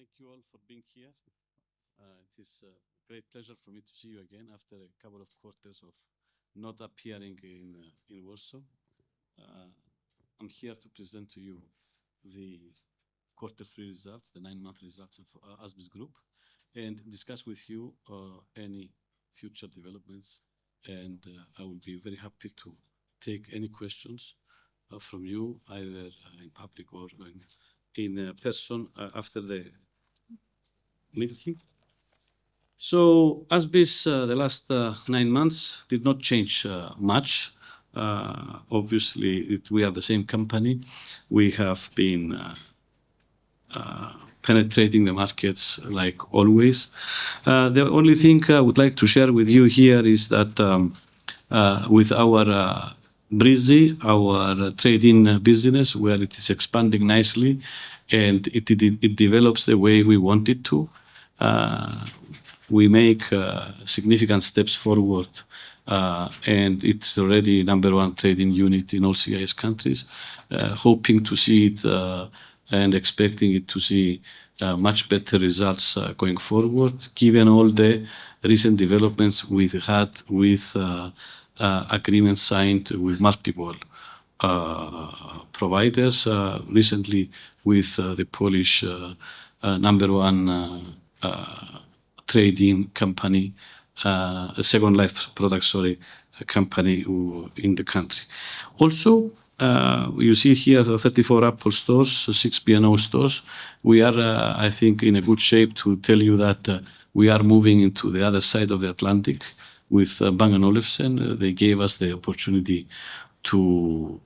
Morning, everyone. Thank you all for being here. It is a great pleasure for me to see you again after a couple of quarters of not appearing in Warsaw. I'm here to present to you the quarter three results, the nine-month results of ASBIS Group, and discuss with you any future developments, and I would be very happy to take any questions from you, either in public or in person after the meeting. ASBIS, the last nine months did not change much. Obviously, we are the same company. We have been penetrating the markets like always. The only thing I would like to share with you here is that with our Breezy, our trade-in business, where it is expanding nicely and it develops the way we want it to. We make significant steps forward, and it's already number one trade-in unit in all CIS countries. Hoping to see it and expecting it to see much better results going forward, given all the recent developments we've had with agreements signed with multiple providers recently with the Polish number one trade-in company, second-life product, sorry, company in the country. Also, you see here 34 Apple stores, six B&O stores. We are, I think in a good shape to tell you that, we are moving into the other side of the Atlantic with Bang & Olufsen. They gave us the opportunity to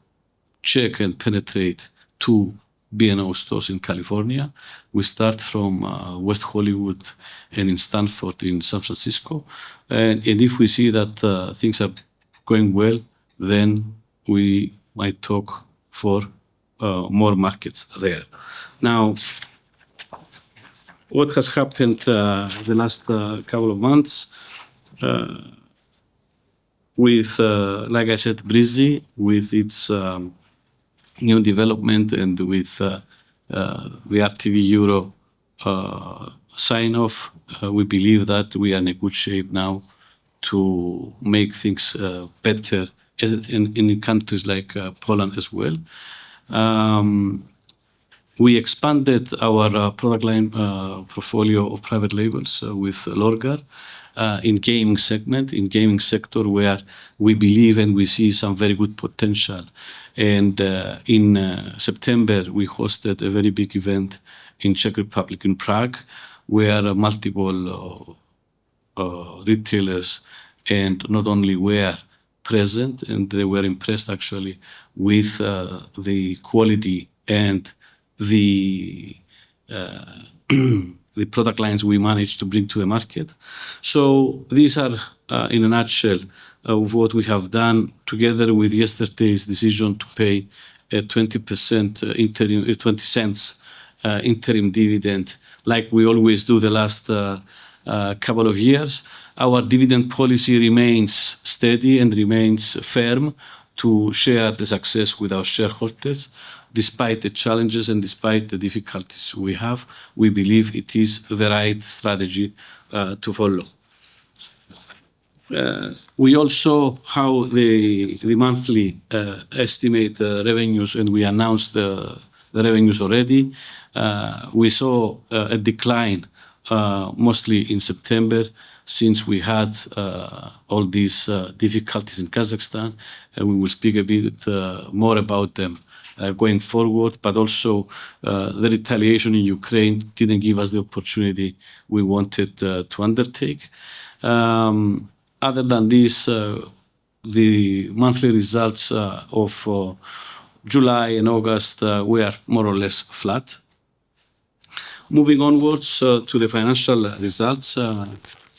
check and penetrate two B&O stores in California. We start from West Hollywood and in Stanford in San Francisco. If we see that things are going well, then we might talk for more markets there. Now, what has happened the last couple of months with, like I said, Breezy, with its new development and with the RTV Euro AGD sign-off, we believe that we are in a good shape now to make things better in countries like Poland as well. We expanded our product line portfolio of private labels with Lorgar in gaming segment, in gaming sector, where we believe and we see some very good potential. In September, we hosted a very big event in Czech Republic, in Prague, where multiple retailers and not only were present, and they were impressed actually with the quality and the product lines we managed to bring to the market. These are in a nutshell of what we have done together with yesterday's decision to pay a $0.20 interim dividend like we always do the last couple of years. Our dividend policy remains steady and remains firm to share the success with our shareholders, despite the challenges and despite the difficulties we have. We believe it is the right strategy to follow. We all saw how the monthly estimated revenues, and we announced the revenues already. We saw a decline mostly in September since we had all these difficulties in Kazakhstan, and we will speak a bit more about them going forward. Also, the regulation in Ukraine didn't give us the opportunity we wanted to undertake. Other than this, the monthly results of July and August were more or less flat. Moving onwards to the financial results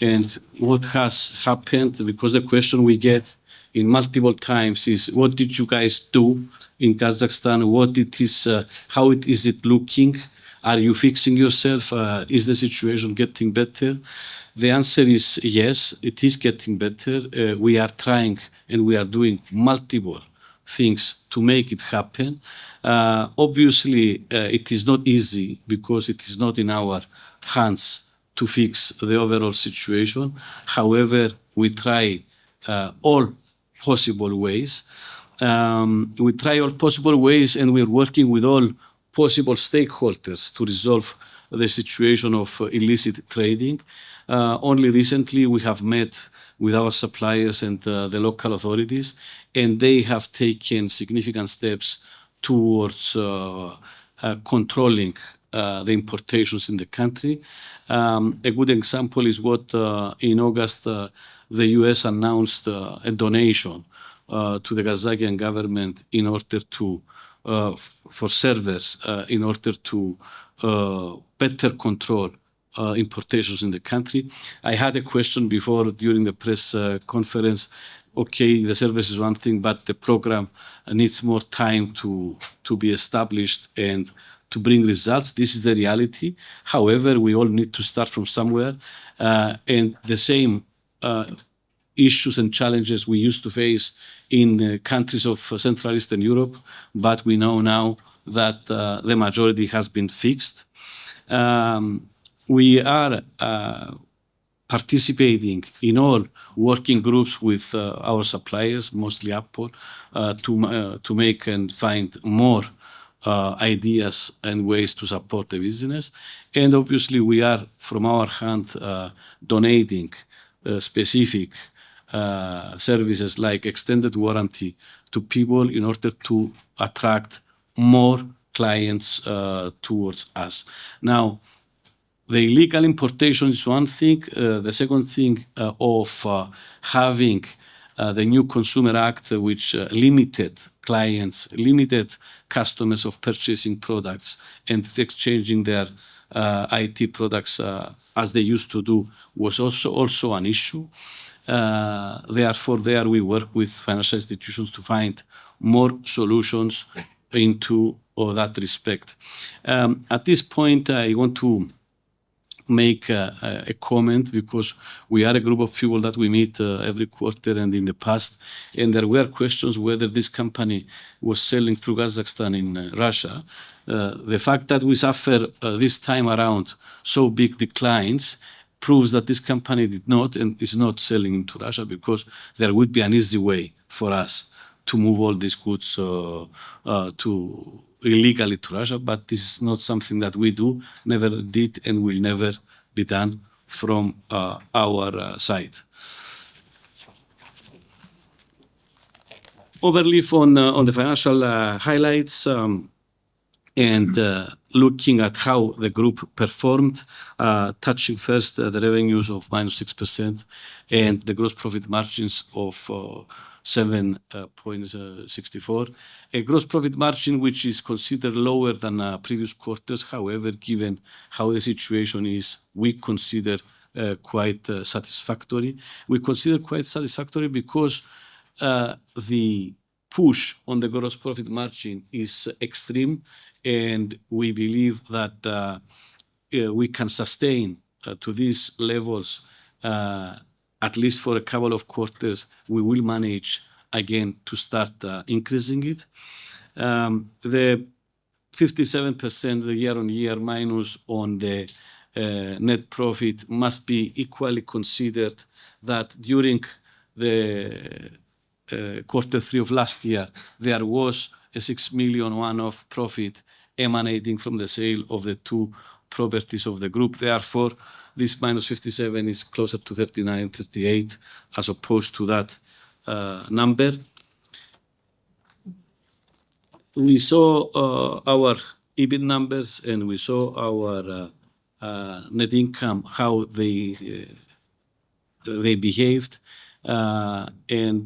and what has happened, because the question we get multiple times is: What did you guys do in Kazakhstan? What is it? How is it looking? Are you fixing yourself? Is the situation getting better? The answer is yes, it is getting better. We are trying, and we are doing multiple things to make it happen. Obviously, it is not easy because it is not in our hands to fix the overall situation. However, we try all possible ways, and we are working with all possible stakeholders to resolve the situation of illicit trading. Only recently, we have met with our suppliers and the local authorities, and they have taken significant steps towards controlling the importations in the country. A good example is what in August the U.S. announced, a donation to the Kazakh government in order to better control importations in the country. I had a question before during the press conference. Okay, the service is one thing, but the program needs more time to be established and to bring results. This is the reality. However, we all need to start from somewhere, and the same issues and challenges we used to face in countries of Central Eastern Europe, but we know now that the majority has been fixed. We are participating in all working groups with our suppliers, mostly Apple, to make and find more ideas and ways to support the business. Obviously we are, from our hand, donating specific services, like extended warranty to people in order to attract more clients towards us. Now, the illegal importation is one thing. The second thing of having the new Consumer Act which limited customers of purchasing products and exchanging their IT products as they used to do was also an issue. Therefore, there we work with financial institutions to find more solutions in that respect. At this point, I want to make a comment because we are a group of people that we meet every quarter and in the past, and there were questions whether this company was selling through Kazakhstan to Russia. The fact that we suffer this time around so big declines proves that this company did not and is not selling into Russia, because there would be an easy way for us to move all these goods illegally to Russia, but this is not something that we do, never did, and will never be done from our side. Over to the financial highlights and looking at how the group performed, touching first the revenues of -6% and the gross profit margins of 7.64%. A gross profit margin which is considered lower than previous quarters, however, given how the situation is, we consider quite satisfactory. We consider quite satisfactory because the push on the gross profit margin is extreme, and we believe that we can sustain to these levels at least for a couple of quarters. We will manage again to start increasing it. The 57% year-on-year minus on the net profit must be equally considered that during the quarter three of last year, there was a $6 million one-off profit emanating from the sale of the two properties of the group. Therefore, this -57% is closer to 39%, 38% as opposed to that number. We saw our EBIT numbers and we saw our net income, how they behaved.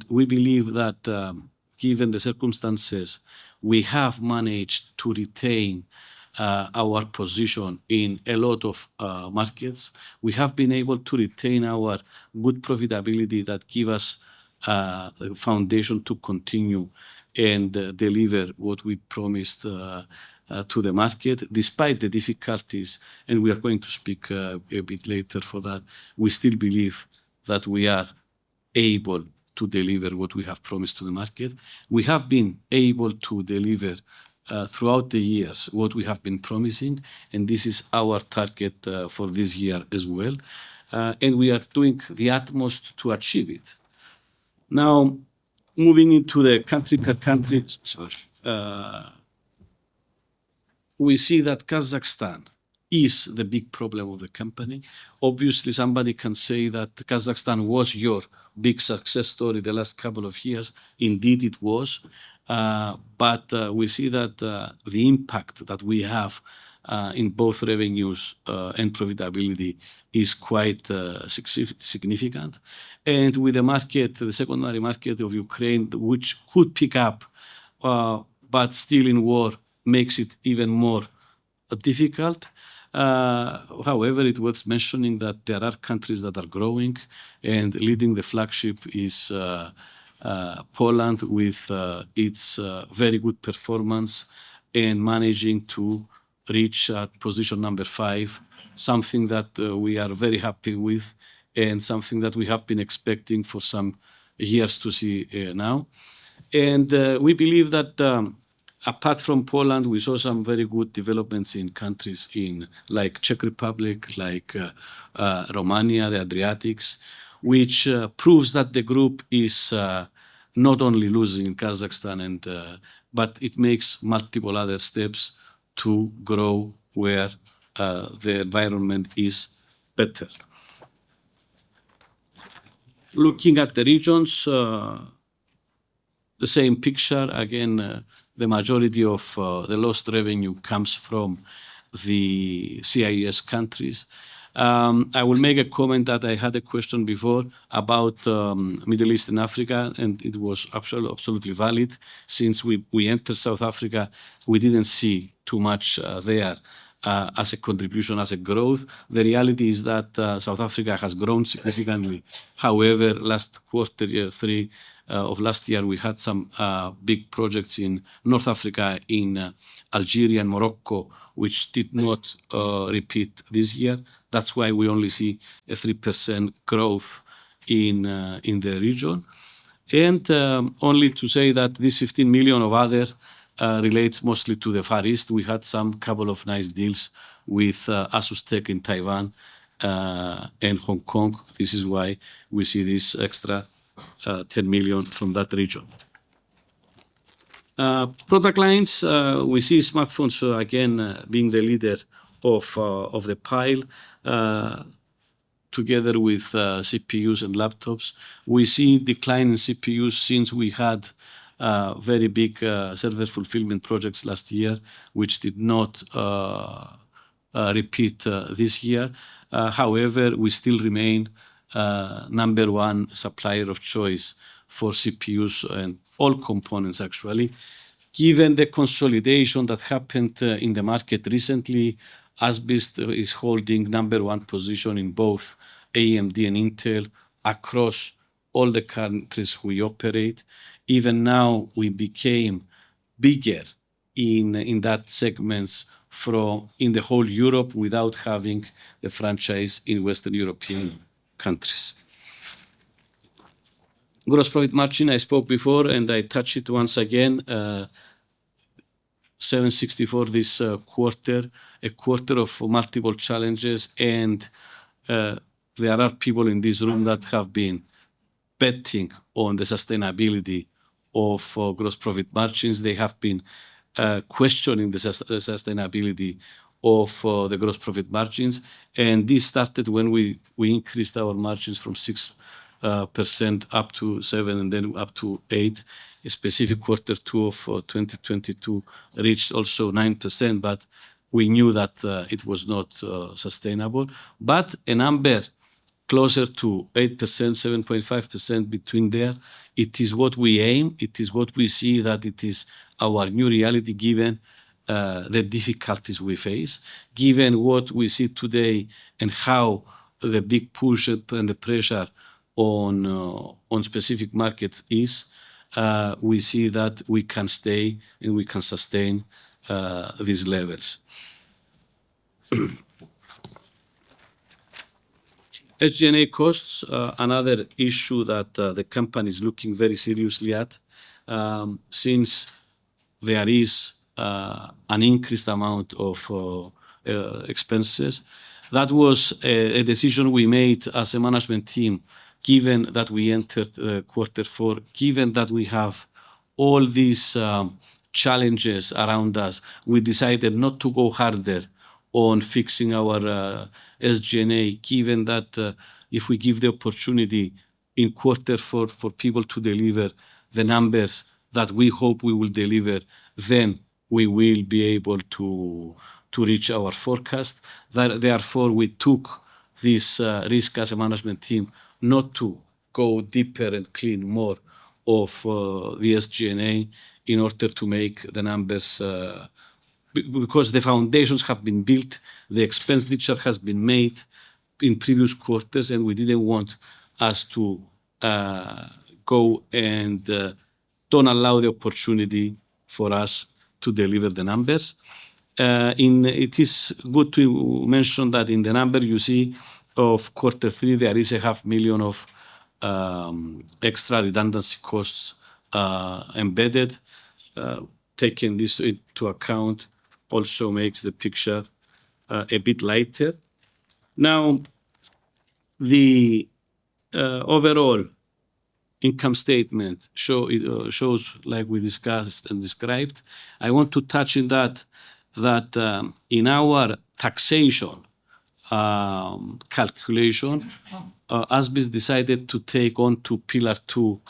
We believe that, given the circumstances, we have managed to retain our position in a lot of markets. We have been able to retain our good profitability that give us the foundation to continue and deliver what we promised to the market despite the difficulties, and we are going to speak a bit later for that. We still believe that we are able to deliver what we have promised to the market. We have been able to deliver throughout the years what we have been promising, and this is our target for this year as well. We are doing the utmost to achieve it. Now, moving into the country per country. Sorry. We see that Kazakhstan is the big problem of the company. Obviously, somebody can say that Kazakhstan was your big success story the last couple of years. Indeed, it was. We see that the impact that we have in both revenues and profitability is quite significant. With the market, the secondary market of Ukraine, which could pick up, but still in war, makes it even more difficult. However, it's worth mentioning that there are countries that are growing, and leading the flagship is Poland with its very good performance and managing to reach position number five, something that we are very happy with and something that we have been expecting for some years to see now. We believe that, apart from Poland, we saw some very good developments in countries like Czech Republic, like Romania, the Adriatic, which proves that the group is not only losing Kazakhstan, but it makes multiple other steps to grow where the environment is better. Looking at the regions, the same picture. Again, the majority of the lost revenue comes from the CIS countries. I will make a comment that I had a question before about Middle East and Africa, and it was absolutely valid. Since we entered South Africa, we didn't see too much there as a contribution, as a growth. The reality is that South Africa has grown significantly. However, last quarter, Q3 of last year, we had some big projects in North Africa, in Algeria and Morocco, which did not repeat this year. That's why we only see a 3% growth in the region. Only to say that this $15 million of other relates mostly to the Far East. We had some couple of nice deals with ASUSTeK in Taiwan and Hong Kong. This is why we see this extra $10 million from that region. Product lines, we see smartphones again being the leader of the pile together with CPUs and laptops. We see decline in CPUs since we had very big server fulfillment projects last year, which did not repeat this year. However, we still remain number one supplier of choice for CPUs and all components actually. Given the consolidation that happened in the market recently, ASBIS is holding number one position in both AMD and Intel across all the countries we operate. Even now, we became bigger in that segments in the whole Europe without having the franchise in Western European countries. Gross profit margin, I spoke before and I touch it once again. 7.64% this quarter. A quarter of multiple challenges, and there are people in this room that have been betting on the sustainability of gross profit margins. They have been questioning the sustainability of the gross profit margins. This started when we increased our margins from 6% up to 7% and then up to 8%. A specific quarter two of 2022 reached also 9%, but we knew that it was not sustainable. A number closer to 8%, 7.5% between there, it is what we aim, it is what we see that it is our new reality given the difficulties we face. Given what we see today and how the big push and the pressure on specific markets is, we see that we can stay and we can sustain these levels. SG&A costs, another issue that the company is looking very seriously at, since there is an increased amount of expenses. That was a decision we made as a management team, given that we entered quarter four. Given that we have all these challenges around us, we decided not to go harder on fixing our SG&A. Given that, if we give the opportunity in quarter four for people to deliver the numbers that we hope we will deliver, then we will be able to reach our forecast. Therefore, we took this risk as a management team not to go deeper and clean more of the SG&A in order to make the numbers. Because the foundations have been built, the expense nature has been made in previous quarters, and we didn't want us to go and don't allow the opportunity for us to deliver the numbers. It is good to mention that in the number you see of quarter three, there is a $ half million of extra redundancy costs embedded. Taking this into account also makes the picture a bit lighter. Now, the overall income statement shows like we discussed and described. I want to touch in that in our taxation calculation ASBIS decided to take on to Pillar Two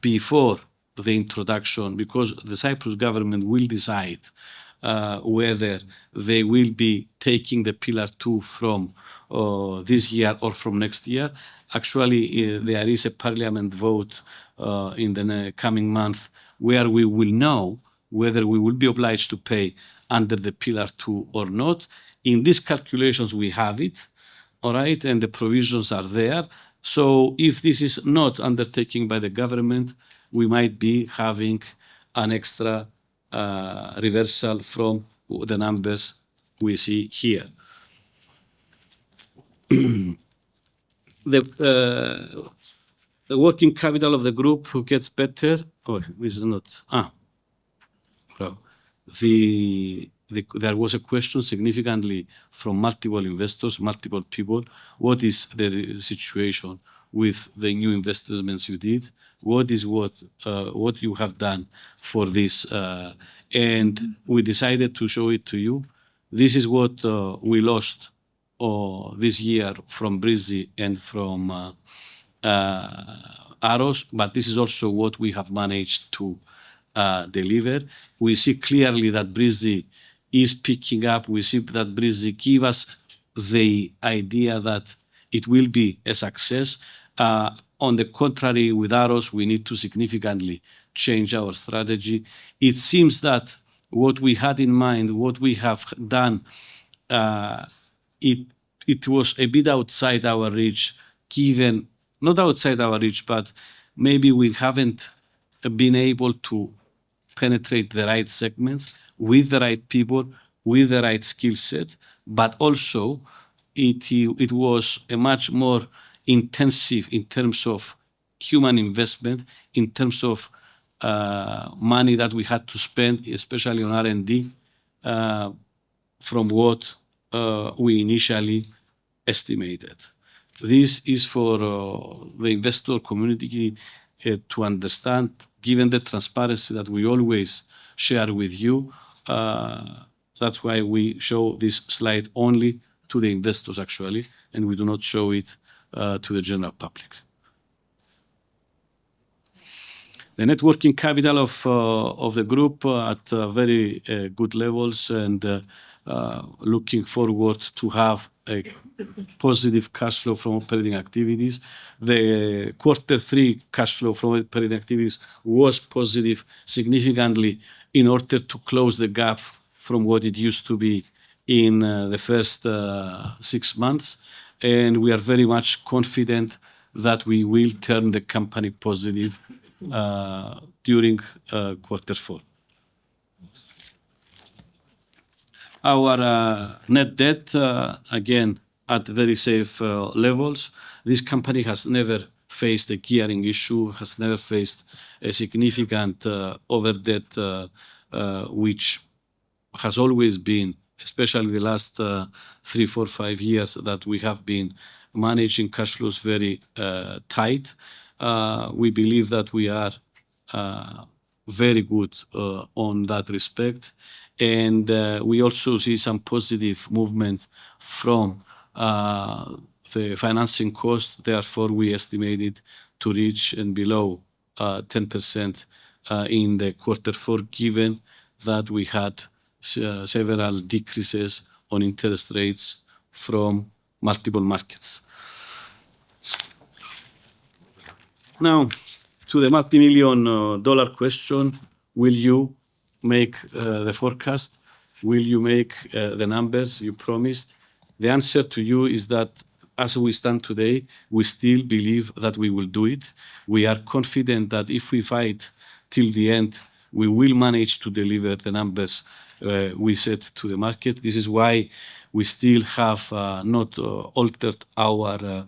before the introduction, because the Cyprus government will decide whether they will be taking the Pillar Two from this year or from next year. Actually, there is a parliament vote in the coming month, where we will know whether we will be obliged to pay under the Pillar Two or not. In these calculations, we have it, all right? The provisions are there. If this is not undertaken by the government, we might be having an extra reversal from the numbers we see here. There was a significant question from multiple investors, multiple people, what is the situation with the new investments you did? What you have done for this? We decided to show it to you. This is what we lost this year from Breezy and from AROS, but this is also what we have managed to deliver. We see clearly that Breezy is picking up. We see that Breezy give us the idea that it will be a success. On the contrary, with AROS, we need to significantly change our strategy. It seems that what we had in mind, what we have done, it was a bit outside our reach. Not outside our reach, but maybe we haven't been able to penetrate the right segments with the right people, with the right skill set, but also it was a much more intensive in terms of human investment, in terms of money that we had to spend, especially on R&D, from what we initially estimated. This is for the investor community to understand, given the transparency that we always share with you. That's why we show this slide only to the investors actually, and we do not show it to the general public. The net working capital of the group at very good levels and looking forward to have a positive cash flow from operating activities. The quarter three cash flow from operating activities was positive significantly in order to close the gap from what it used to be in the first six months. We are very much confident that we will turn the company positive during quarter four. Our net debt again at very safe levels. This company has never faced a gearing issue, has never faced a significant over-debt which has always been, especially the last three, four, five years, that we have been managing cash flows very tight. We believe that we are very good on that respect. We also see some positive movement from the financing cost. Therefore, we estimated to reach and below 10% in quarter four, given that we had several decreases on interest rates from multiple markets. Now, to the multi-million dollar question, will you make the forecast? Will you make the numbers you promised? The answer to you is that as we stand today, we still believe that we will do it. We are confident that if we fight till the end, we will manage to deliver the numbers we set to the market. This is why we still have not altered our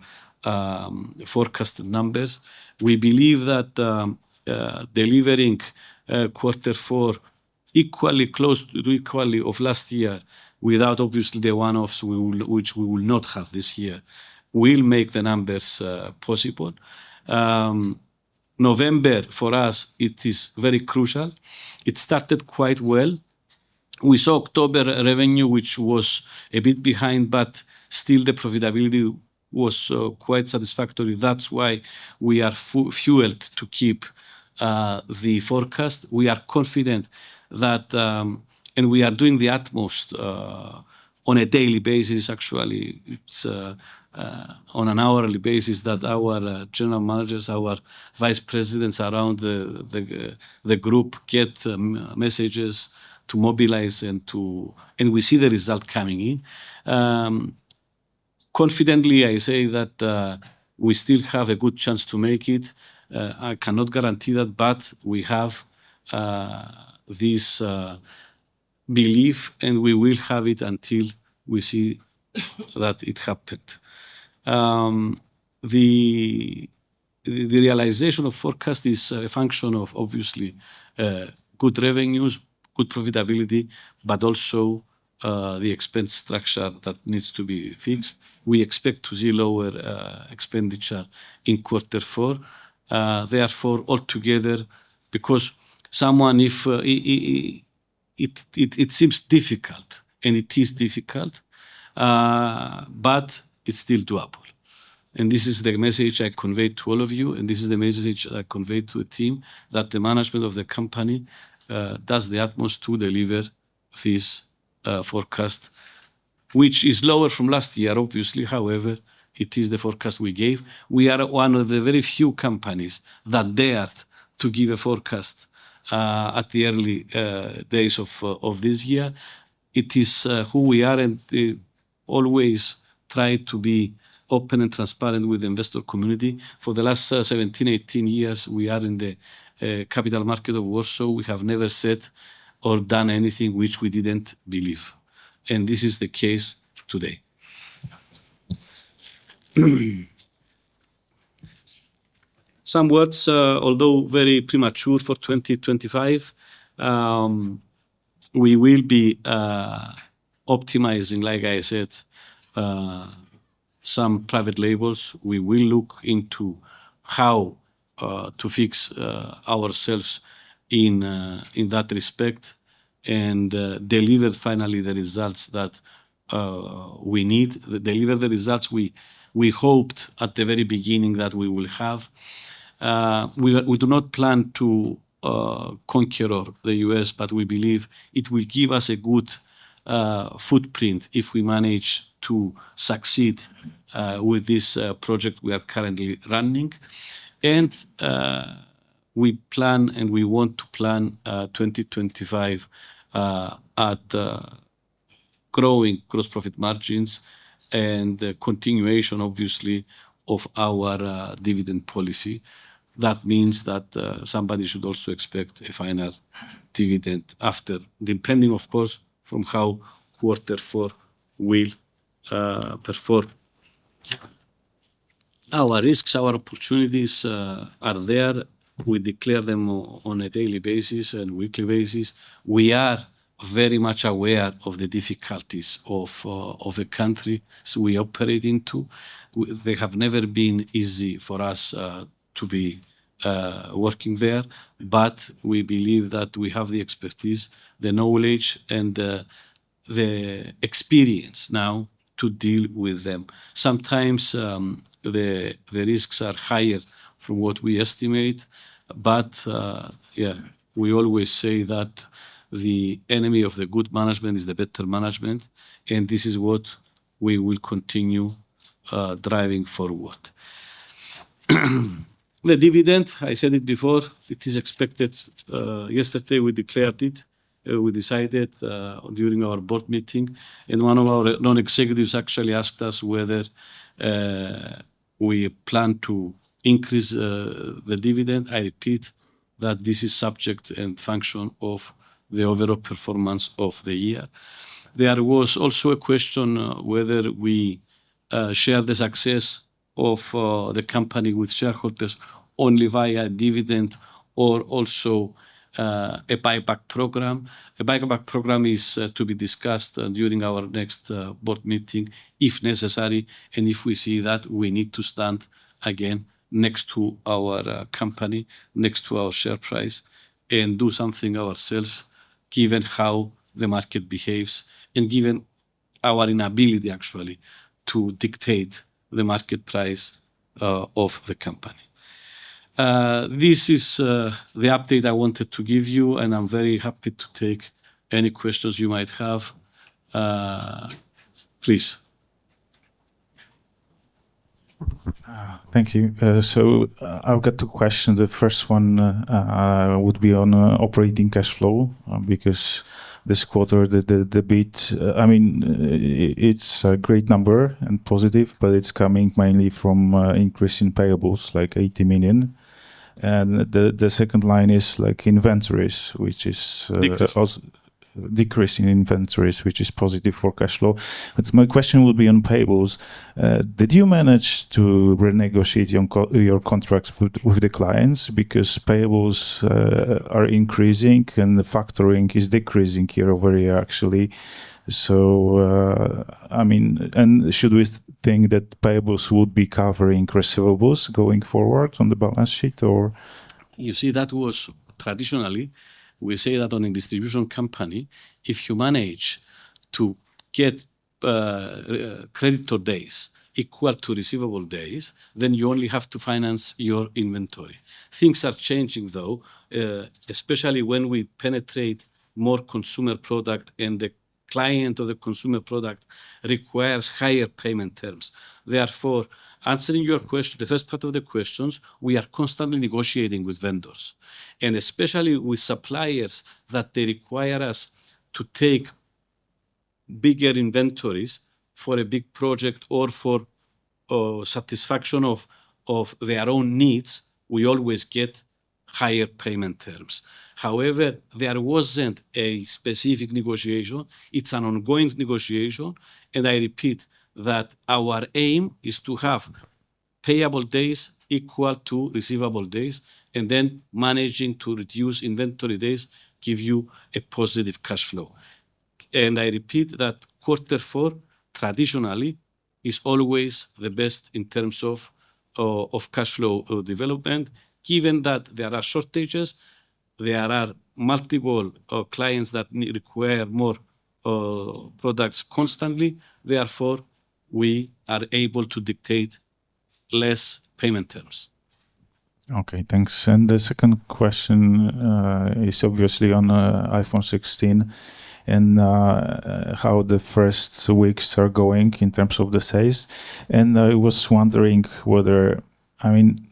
forecast numbers. We believe that delivering quarter four equally close to that of last year without obviously the one-offs which we will not have this year will make the numbers possible. November, for us, it is very crucial. It started quite well. We saw October revenue, which was a bit behind, but still the profitability was quite satisfactory. That's why we are fueled to keep the forecast. We are confident that we are doing the utmost on a daily basis. Actually, it's on an hourly basis that our general managers, our vice presidents around the group get messages to mobilize. We see the result coming in. Confidently, I say that we still have a good chance to make it. I cannot guarantee that, but we have this belief, and we will have it until we see that it happened. The realization of forecast is a function of obviously good revenues, good profitability, but also the expense structure that needs to be fixed. We expect to see lower expenditure in quarter four. Therefore, altogether, it seems difficult, and it is difficult, but it's still doable. This is the message I convey to all of you, and this is the message I convey to the team, that the management of the company does the utmost to deliver this forecast, which is lower from last year, obviously. However, it is the forecast we gave. We are one of the very few companies that dared to give a forecast at the early days of this year. It is who we are and always try to be open and transparent with the investor community. For the last 17, 18 years, we are in the capital market of Warsaw. We have never said or done anything which we didn't believe, and this is the case today. Some words although very premature for 2025, we will be optimizing, like I said, some private labels. We will look into how to fix ourselves in that respect, and deliver finally the results that we need. Deliver the results we hoped at the very beginning that we will have. We do not plan to conquer the U.S., but we believe it will give us a good footprint if we manage to succeed with this project we are currently running. We want to plan 2025 growing gross profit margins and the continuation obviously of our dividend policy. That means that somebody should also expect a final dividend after, depending of course on how quarter four will perform. Our risks, our opportunities are there. We declare them on a daily basis and weekly basis. We are very much aware of the difficulties of the countries we operate in. They have never been easy for us to be working there, but we believe that we have the expertise, the knowledge, and the experience now to deal with them. Sometimes the risks are higher from what we estimate, but yeah, we always say that the enemy of the good management is the better management, and this is what we will continue driving forward. The dividend, I said it before, it is expected. Yesterday we declared it. We decided during our board meeting, and one of our non-executives actually asked us whether we plan to increase the dividend. I repeat that this is subject and function of the overall performance of the year. There was also a question whether we share the success of the company with shareholders only via dividend or also a buyback program. A buyback program is to be discussed during our next board meeting if necessary, and if we see that we need to stand again next to our company, next to our share price, and do something ourselves given how the market behaves and given our inability actually to dictate the market price of the company. This is the update I wanted to give you, and I'm very happy to take any questions you might have. Please. Thank you. I've got two questions. The first one would be on operating cash flow, because this quarter the build, I mean, it's a great number and positive, but it's coming mainly from increase in payables, like $80 million. The second line is like inventories, which is Decrease Decrease in inventories which is positive for cash flow. My question would be on payables. Did you manage to renegotiate your contracts with the clients because payables are increasing and the factoring is decreasing year-over-year, actually? I mean, should we think that payables would be covering receivables going forward on the balance sheet or? You see, that was traditionally we say that on a distribution company, if you manage to get payable days equal to receivable days, then you only have to finance your inventory. Things are changing though, especially when we penetrate more consumer product and the client or the consumer product requires higher payment terms. Therefore, answering your question, the first part of the questions, we are constantly negotiating with vendors, and especially with suppliers that they require us to take bigger inventories for a big project or for satisfaction of their own needs, we always get higher payment terms. However, there wasn't a specific negotiation. It's an ongoing negotiation, and I repeat that our aim is to have payable days equal to receivable days and then managing to reduce inventory days give you a positive cash flow. I repeat that quarter four traditionally is always the best in terms of cash flow development. Given that there are shortages, there are multiple clients that require more products constantly, therefore, we are able to dictate less payment terms. Okay, thanks. The second question is obviously on iPhone 16 and how the first weeks are going in terms of the sales. I was wondering, I mean,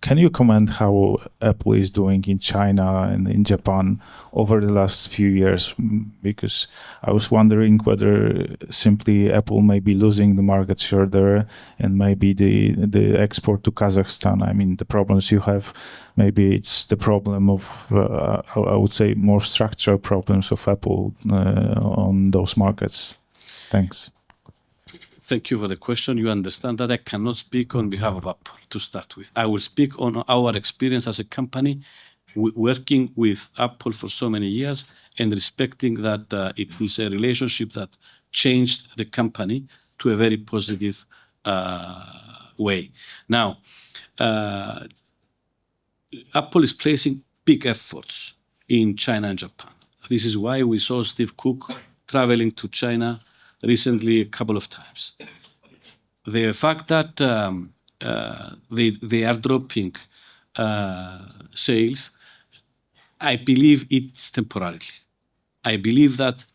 can you comment how Apple is doing in China and in Japan over the last few years? Because I was wondering whether simply Apple may be losing the market share there and maybe the export to Kazakhstan. I mean, the problems you have, maybe it's the problem of how I would say, more structural problems of Apple on those markets. Thanks. Thank you for the question. You understand that I cannot speak on behalf of Apple to start with. I will speak on our experience as a company working with Apple for so many years and respecting that, it is a relationship that changed the company to a very positive way. Now, Apple is placing big efforts in China and Japan. This is why we saw Tim Cook traveling to China recently a couple of times. The fact that, they are dropping sales, I believe it's temporarily. I believe that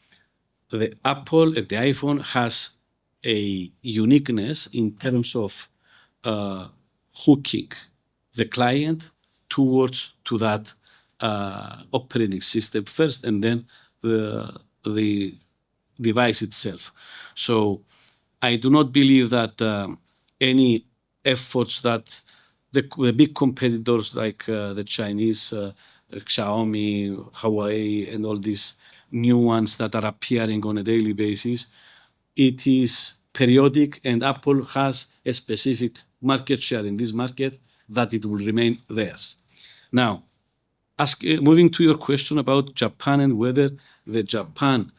the Apple and the iPhone has a uniqueness in terms of, hooking the client towards to that, operating system first and then the device itself. I do not believe that any efforts that the big competitors like the Chinese Xiaomi, Huawei, and all these new ones that are appearing on a daily basis. It is periodic, and Apple has a specific market share in this market that it will remain theirs. Now, moving to your question about Japan and whether the Japanese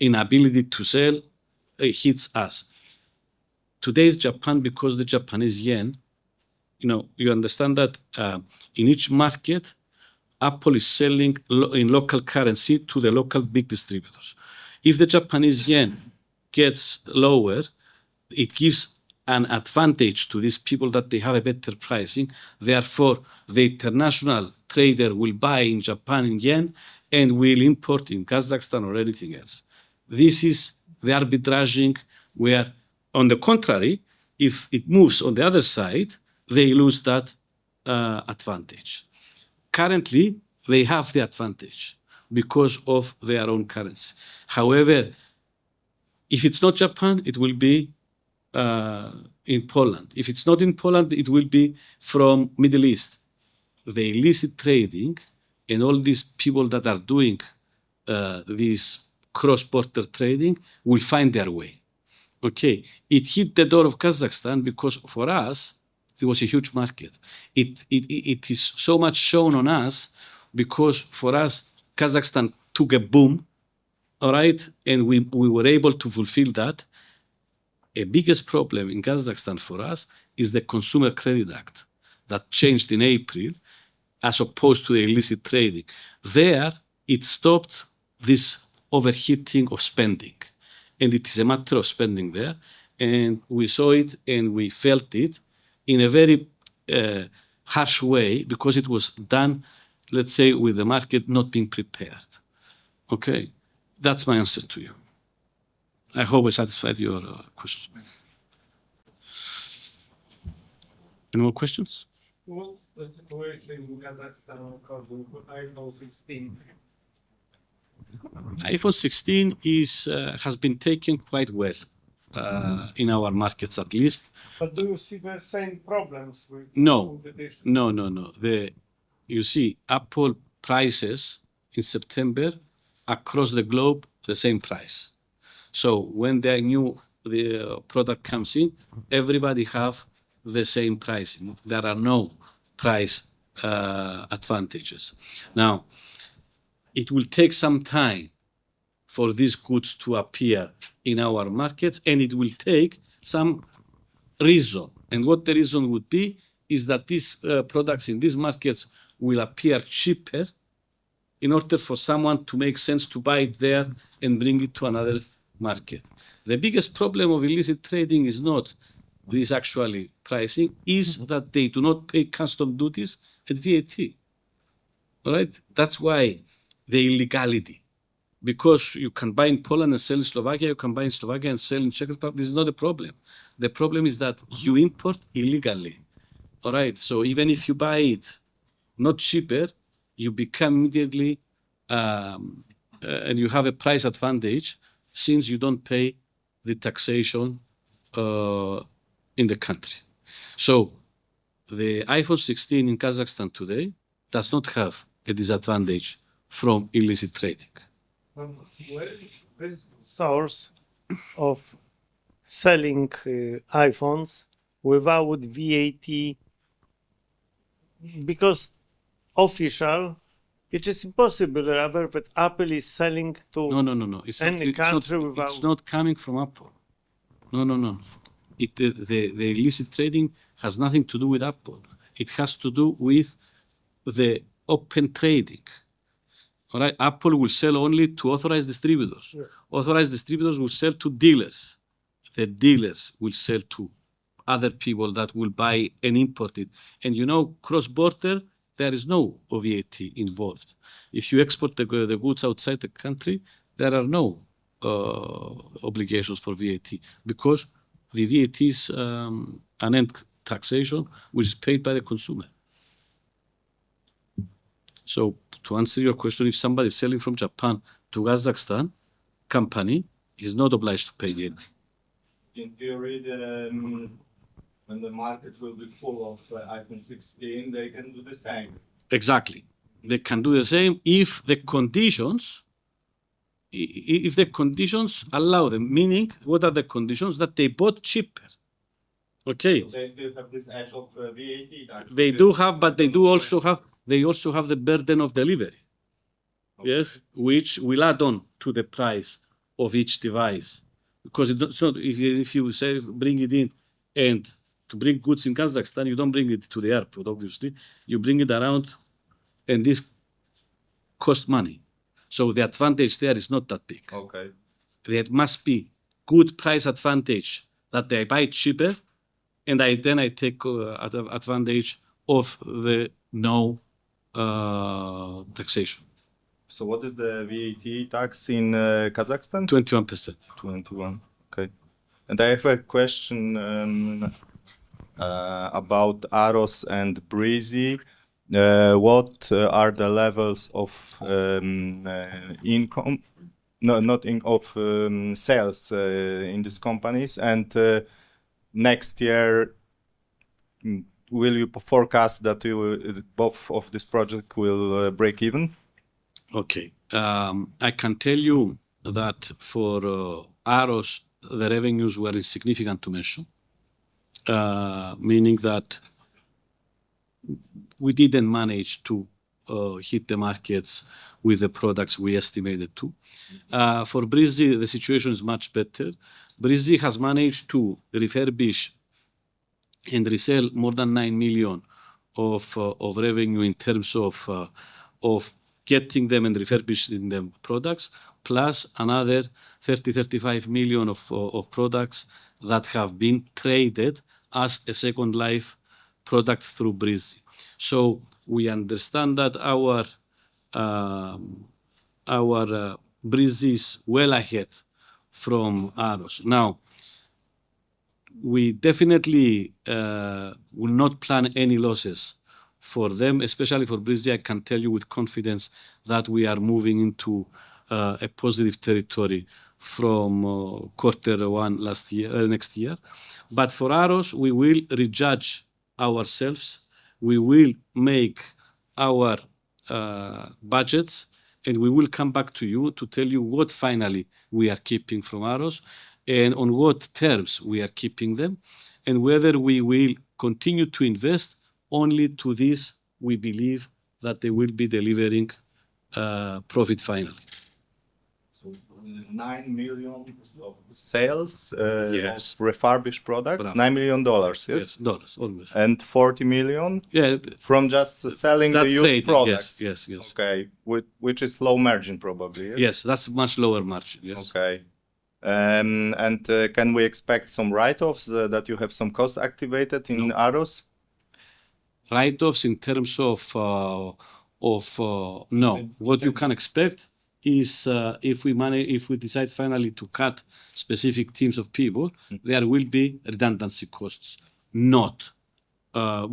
inability to sell hits us. Today's Japanese yen, you know, you understand that, in each market, Apple is selling in local currency to the local big distributors. If the Japanese yen gets lower, it gives an advantage to these people that they have a better pricing. Therefore, the international trader will buy in Japanese yen and will import in Kazakhstan or anything else. This is the arbitraging where, on the contrary, if it moves on the other side, they lose that advantage. Currently, they have the advantage because of their own currency. However, if it's not Japan, it will be in Poland. If it's not in Poland, it will be from Middle East. The illicit trading and all these people that are doing this cross-border trading will find their way. Okay? It hit the door of Kazakhstan because for us it was a huge market. It is so much shown on us because for us, Kazakhstan took a boom, all right? We were able to fulfill that. The biggest problem in Kazakhstan for us is the Consumer Credit Act that changed in April as opposed to the illicit trading. There it stopped this overheating of spending, and it is a matter of spending there. We saw it and we felt it in a very harsh way because it was done, let's say, with the market not being prepared. Okay? That's my answer to you. I hope I satisfied your question. Any more questions? What's the situation in Kazakhstan regarding iPhone 16? iPhone 16 has been taken quite well in our markets at least. Do you see the same problems with? No with this? No, no. You see, Apple prices in September across the globe, the same price. When the new product comes in, everybody have the same pricing. There are no price advantages. It will take some time for these goods to appear in our markets, and it will take some reason. What the reason would be is that these products in these markets will appear cheaper in order for someone to make sense to buy it there and bring it to another market. The biggest problem of illicit trading is not this actually pricing. It's that they do not pay customs duties and VAT. All right. That's why the illegality. Because you can buy in Poland and sell in Slovakia, you can buy in Slovakia and sell in Czech Republic. This is not a problem. The problem is that you import illegally. All right. Even if you buy it not cheaper, you become immediately, and you have a price advantage since you don't pay the taxation in the country. The iPhone 16 in Kazakhstan today does not have a disadvantage from illicit trading. Where is the source of selling iPhones without VAT? Because officially, it is impossible, however, but Apple is selling to- No. any country without. It's not coming from Apple. No, no. The illicit trading has nothing to do with Apple. It has to do with the open trading. All right. Apple will sell only to authorized distributors. Sure. Authorized distributors will sell to dealers. The dealers will sell to other people that will buy and import it. You know, cross-border, there is no VAT involved. If you export the goods outside the country, there are no obligations for VAT because the VAT is an end taxation which is paid by the consumer. To answer your question, if somebody is selling from Japan to Kazakhstan company, he's not obliged to pay VAT. In theory, when the market will be full of iPhone 16, they can do the same. Exactly. They can do the same if the conditions allow them. Meaning, what are the conditions? That they bought cheaper. Okay? They still have this edge of VAT that. They do have, but they also have the burden of delivery. Okay. Yes. Which will add on to the price of each device. If you sell, bring it in, and to bring goods in Kazakhstan, you don't bring it to the airport, obviously. You bring it around, and this costs money. The advantage there is not that big. Okay. There must be good price advantage that they buy cheaper, and I then take advantage of the no taxation. What is the VAT tax in Kazakhstan? 21%. 21%. Okay. I have a question about AROS and Breezy. What are the levels of sales in these companies? Next year, will you forecast that both of these projects will break even? Okay. I can tell you that for AROS, the revenues were insignificant to mention, meaning that we didn't manage to hit the markets with the products we estimated to. For Breezy, the situation is much better. Breezy has managed to refurbish and resell more than $9 million of revenue in terms of getting them and refurbishing them products, plus another $35 million of products that have been traded as a second life product through Breezy. We understand that our Breezy is well ahead from AROS. Now, we definitely will not plan any losses for them, especially for Breezy. I can tell you with confidence that we are moving into a positive territory from quarter one last year next year. For AROS, we will rejudge ourselves. We will make our budgets, and we will come back to you to tell you what finally we are keeping from AROS, and on what terms we are keeping them, and whether we will continue to invest only to this. We believe that they will be delivering profit finally. $9 million of sales. Yes of refurbished products. $9 million, yes? Yes, dollars. All this. $40 million Yeah From just selling the used products. That's data. Yes. Yes, yes. Okay. Which is low margin probably. Yes, that's much lower margin. Yes. Can we expect some write-offs that you have some costs activated in AROS? No. No. Okay. What you can expect is, if we decide finally to cut specific teams of people. Mm-hmm there will be redundancy costs. Not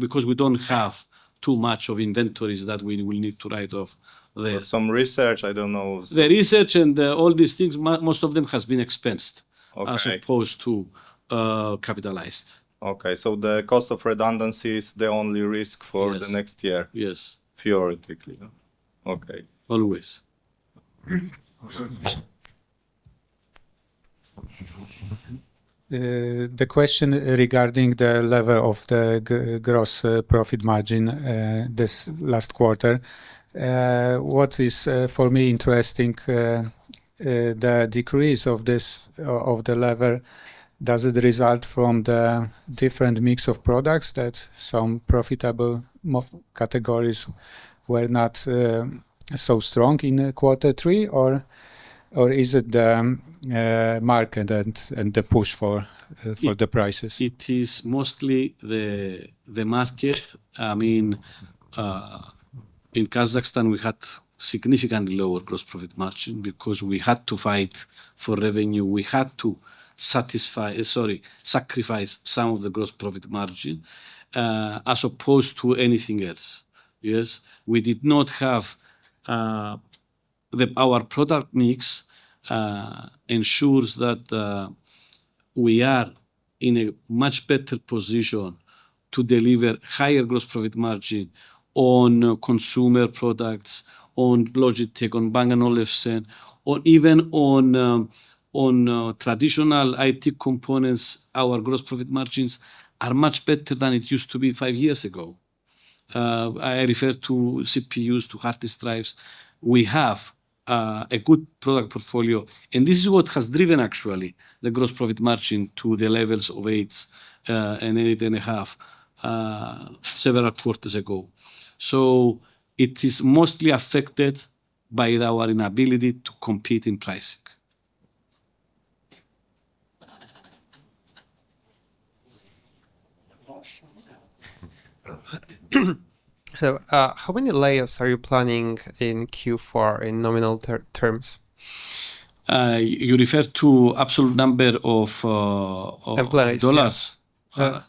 because we don't have too much of inventories that we will need to write off. Some research, I don't know. The research and all these things, most of them has been expensed. Okay as opposed to, capitalized. Okay. The cost of redundancy is the only risk for the next year. Yes. Yes Theoretically. Okay. Always. The question regarding the level of the gross profit margin this last quarter, what is for me interesting, the decrease of this level, does it result from the different mix of products that some profitable categories were not so strong in quarter three, or is it the market and the push for the prices? It is mostly the market. I mean, in Kazakhstan, we had significantly lower gross profit margin because we had to fight for revenue. We had to sacrifice some of the gross profit margin as opposed to anything else. Yes. Our product mix ensures that we are in a much better position to deliver higher gross profit margin on consumer products, on Logitech, on Bang & Olufsen, or even on traditional IT components. Our gross profit margins are much better than it used to be five years ago. I refer to CPUs, to hard disk drives. We have a good product portfolio, and this is what has driven actually the gross profit margin to the levels of 8% and 8.5%, several quarters ago. It is mostly affected by our inability to compete in pricing. How many layoffs are you planning in Q4 in nominal terms? You refer to absolute number of Employees dollars? Uh-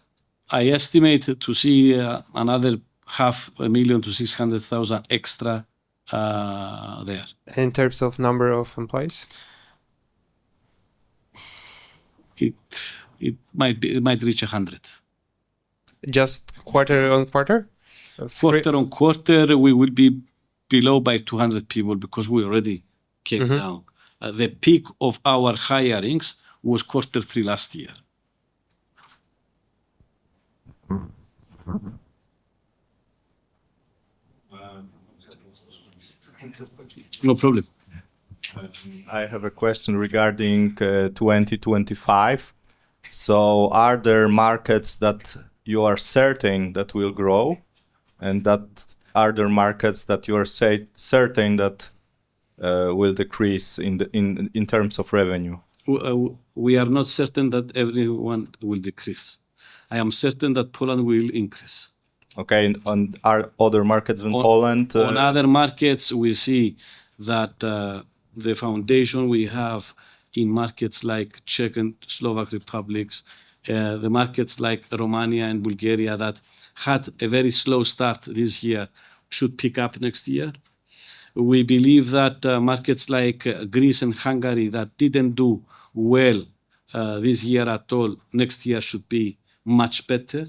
I estimate to see another $0.5 million To $600,000 extra there. In terms of number of employees? It might reach 100. Just quarter-over-quarter? Quarter-over-quarter, we will be below by 200 people because we already came down. Mm-hmm. The peak of our hirings was quarter three last year. Um, No problem. I have a question regarding 2025. Are there markets that you are certain that will grow, and markets that you are certain that will decrease in terms of revenue? We are not certain that everyone will decrease. I am certain that Poland will increase. Okay. On our other markets in Poland. On other markets, we see that the foundation we have in markets like the Czech Republic and Slovak Republic, the markets like Romania and Bulgaria that had a very slow start this year should pick up next year. We believe that markets like Greece and Hungary that didn't do well this year at all, next year should be much better.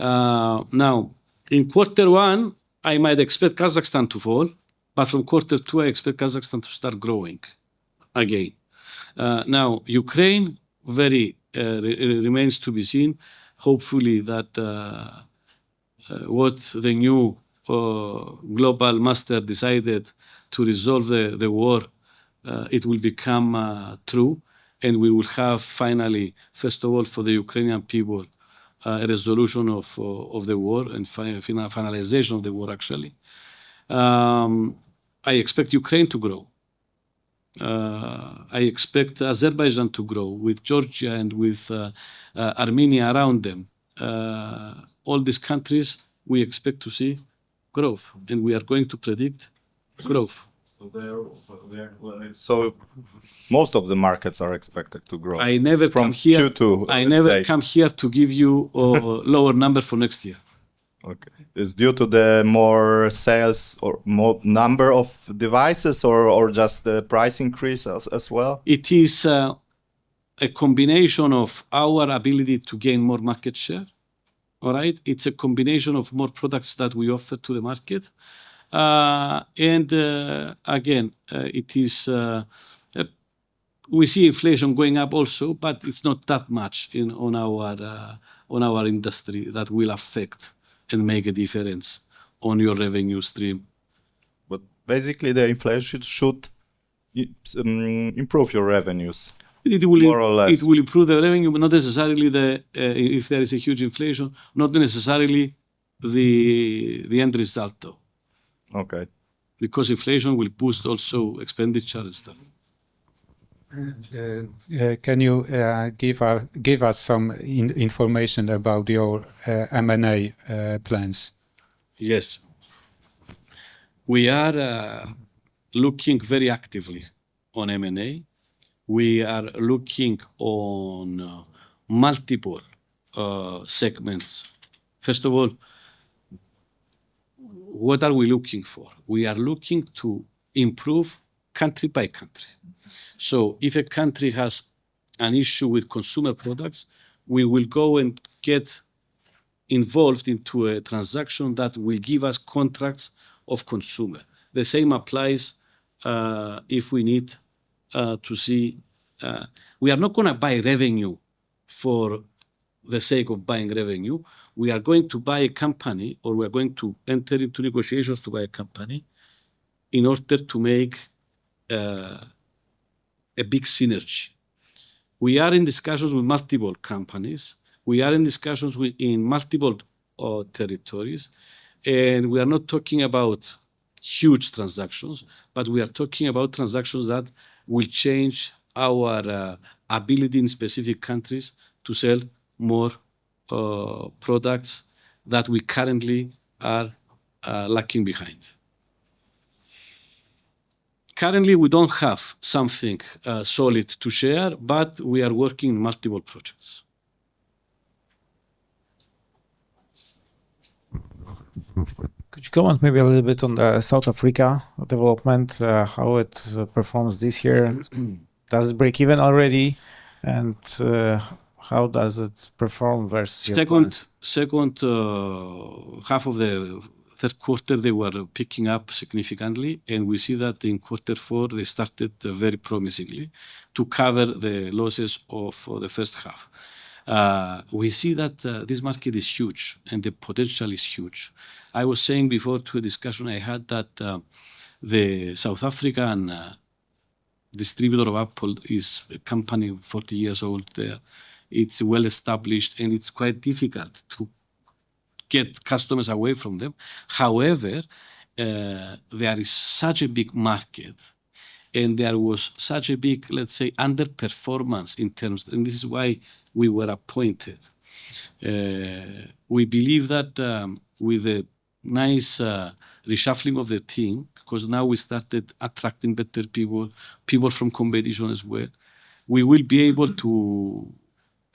In quarter one, I might expect Kazakhstan to fall, but from quarter two, I expect Kazakhstan to start growing again. Ukraine remains to be seen. Hopefully, what the new global master decided to resolve the war, it will become true, and we will have finally, first of all, for the Ukrainian people, a resolution of the war and finalization of the war actually. I expect Ukraine to grow. I expect Azerbaijan to grow with Georgia and with Armenia around them. All these countries we expect to see growth, and we are going to predict growth. Most of the markets are expected to grow. I never come here. From Q2 to today. I never come here to give you a lower number for next year. Okay. It's due to the more sales or more number of devices or just the price increase as well? It is a combination of our ability to gain more market share. All right? It's a combination of more products that we offer to the market. We see inflation going up also, but it's not that much in our industry that will affect and make a difference on your revenue stream. Basically the inflation should improve your revenues. It will- More or less. It will improve the revenue, but not necessarily if there is a huge inflation, not necessarily the end result though. Okay. Because inflation will boost also expenditure and stuff. Can you give us some information about your M&A plans? Yes. We are looking very actively on M&A. We are looking on multiple segments. First of all, what are we looking for? We are looking to improve country by country. If a country has an issue with consumer products, we will go and get involved into a transaction that will give us consumer contracts. The same applies. We are not gonna buy revenue for the sake of buying revenue. We are going to buy a company, or we are going to enter into negotiations to buy a company in order to make a big synergy. We are in discussions with multiple companies. We are in discussions within multiple territories, and we are not talking about huge transactions, but we are talking about transactions that will change our ability in specific countries to sell more products that we currently are lagging behind. Currently, we don't have something solid to share, but we are working multiple projects. Could you comment maybe a little bit on the South Africa development, how it performs this year? Does it break even already? How does it perform versus your plans? Second half of the third quarter, they were picking up significantly, and we see that in quarter four they started very promisingly to cover the losses of the first half. We see that this market is huge, and the potential is huge. I was saying before in a discussion I had that the South African distributor of Apple is a company 40 years old there. It's well established, and it's quite difficult to get customers away from them. However, there is such a big market, and there was such a big, let's say, underperformance in terms. This is why we were appointed. We believe that with a nice reshuffling of the team, 'cause now we started attracting better people from competition as well, we will be able to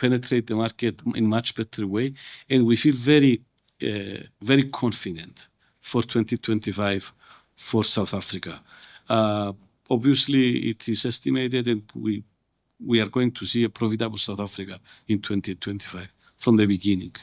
penetrate the market in much better way, and we feel very confident for 2025 for South Africa. Obviously it is estimated and we are going to see a profitable South Africa in 2025 from the beginning.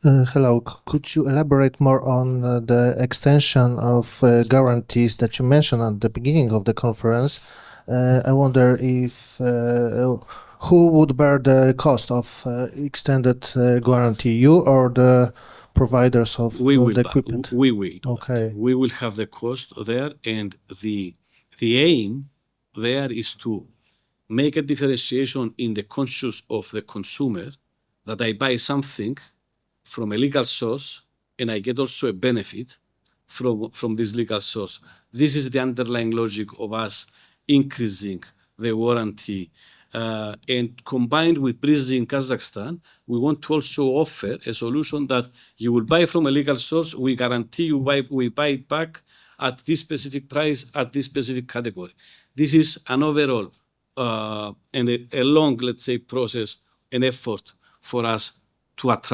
Could you give us some light maybe on the Breezy and AROS, what was the loss last year for the same time? I don't recall the number, but it was bigger. Thank you. Hello. Could you elaborate more on the extension of guarantees that you mentioned at the beginning of the conference? I wonder if oh, who would bear the cost of extended guarantee, you or the providers of- We will bear....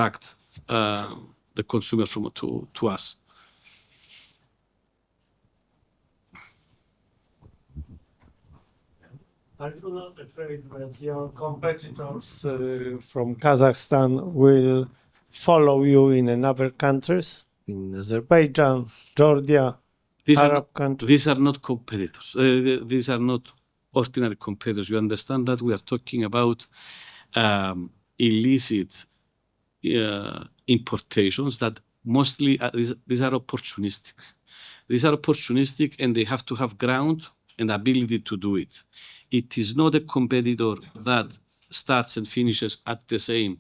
of the equipment? We will. Okay. We will have the cost there and the aim there is to make a differentiation in the consciousness of the consumer that I buy something from a legal source, and I get also a benefit from this legal source. This is the underlying logic of us increasing the warranty. Combined with Breezy in Kazakhstan, we want to also offer a solution that you will buy from a legal source, we guarantee you buy, we buy it back at this specific price, at this specific category. This is an overall and a long, let's say, process and effort for us to attract the consumers to us. Are you not afraid that your competitors from Kazakhstan will follow you in other countries, in Azerbaijan, Georgia, Arab countries? These are not competitors. These are not ordinary competitors. You understand that we are talking about illicit importations that mostly these are opportunistic. These are opportunistic, and they have to have ground and ability to do it. It is not a competitor that starts and finishes at the same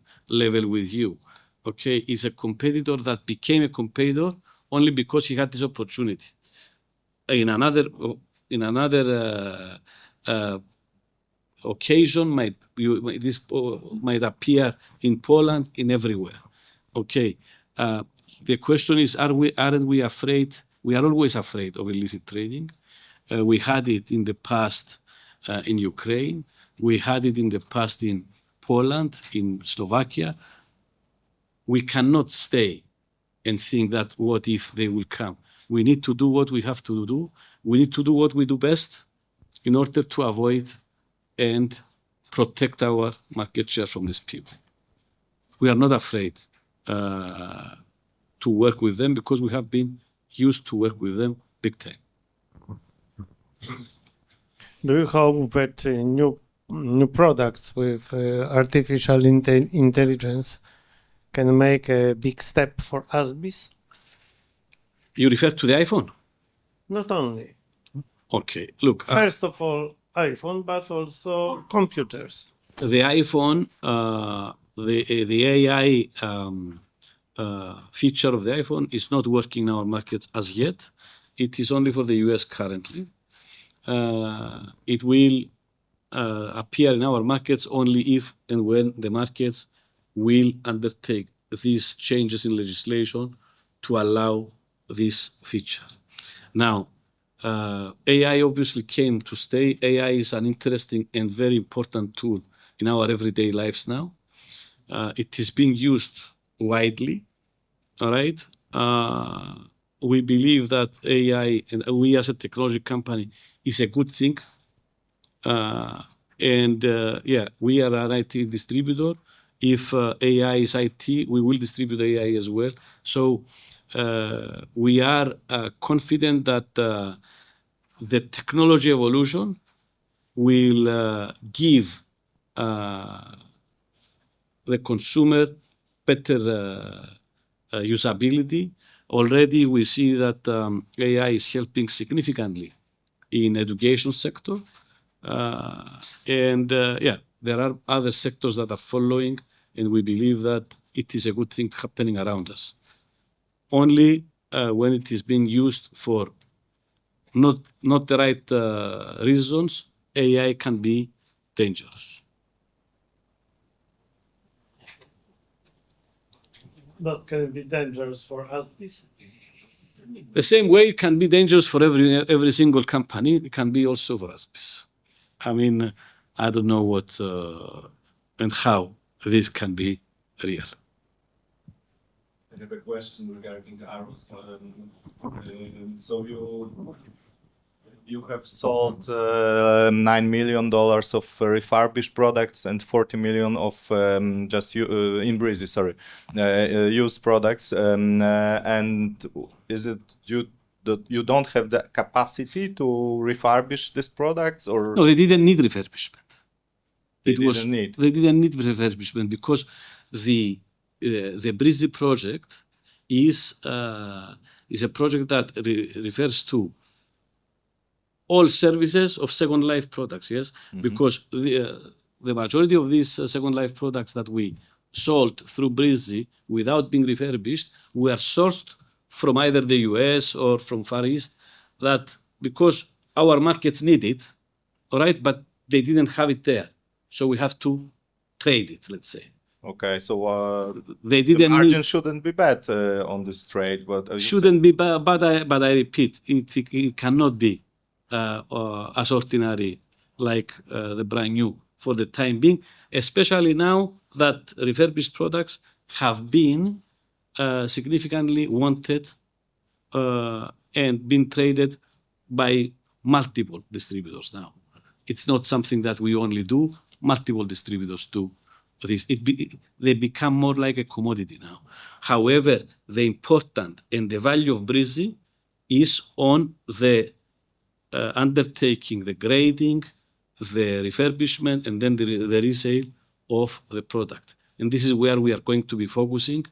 level with you, okay? It's a competitor that became a competitor only because he had this opportunity. In another occasion this might appear in Poland, everywhere. Okay. The question is, aren't we afraid? We are always afraid of illicit trading. We had it in the past in Ukraine. We had it in the past in Poland, in Slovakia. We cannot stay and think that, "What if they will come?" We need to do what we have to do. We need to do what we do best in order to avoid and protect our market share from these people. We are not afraid to work with them because we have been used to work with them big time. Do you hope that new products with artificial intelligence can make a big step for ASBIS? You refer to the iPhone? Not only. Okay. First of all, iPhone, but also computers. The iPhone, the AI feature of the iPhone is not working in our markets as yet. It is only for the U.S. currently. It will appear in our markets only if and when the markets will undertake these changes in legislation to allow this feature. Now, AI obviously came to stay. AI is an interesting and very important tool in our everyday lives now. It is being used widely, all right? We believe that AI and we as a technology company is a good thing. Yeah, we are an IT distributor. If AI is IT, we will distribute AI as well. We are confident that the technology evolution will give the consumer better usability. Already we see that AI is helping significantly in education sector. Yeah, there are other sectors that are following, and we believe that it is a good thing happening around us. Only, when it is being used for not the right reasons, AI can be dangerous. Can it be dangerous for ASBIS? The same way it can be dangerous for every single company, it can be also for ASBIS. I mean, I don't know what and how this can be real. I have a question regarding the ASBIS. So you have sold $9 million of refurbished products and $40 million of just used products in Breezy. You don't have the capacity to refurbish these products or? No, they didn't need refurbishment. They didn't need? They didn't need refurbishment because the Breezy project is a project that refers to all services of second life products. Yes? Mm-hmm. Because the majority of these second life products that we sold through Breezy without being refurbished were sourced from either the U.S. or from Far East, that's because our markets need it, all right? They didn't have it there, so we have to trade it, let's say. Okay. They didn't need- The margin shouldn't be bad, on this trade, but are you saying- Shouldn't be bad, but I repeat, it cannot be as ordinary like the brand new for the time being, especially now that refurbished products have been significantly wanted and been traded by multiple distributors now. It's not something that we only do. Multiple distributors do this. They become more like a commodity now. However, the important and the value of Breezy is on the undertaking, the grading, the refurbishment, and then the resale of the product. This is where we are going to be focusing,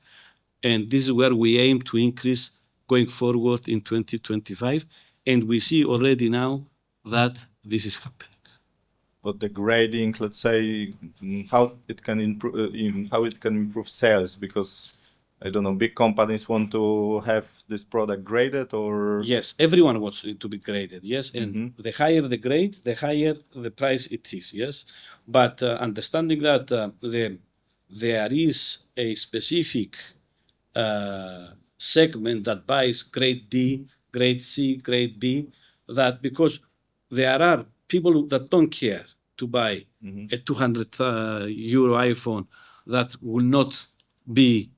and this is where we aim to increase going forward in 2025, and we see already now that this is happening. The grading, let's say, how it can improve sales because, I don't know, big companies want to have this product graded or. Yes, everyone wants it to be graded. Yes. Mm-hmm. The higher the grade, the higher the price it is, yes? But understanding that, there is a specific segment that buys Grade D, Grade C, Grade B, that because there are people that don't care to buy- Mm-hmm... a 200 euro iPhone that will not be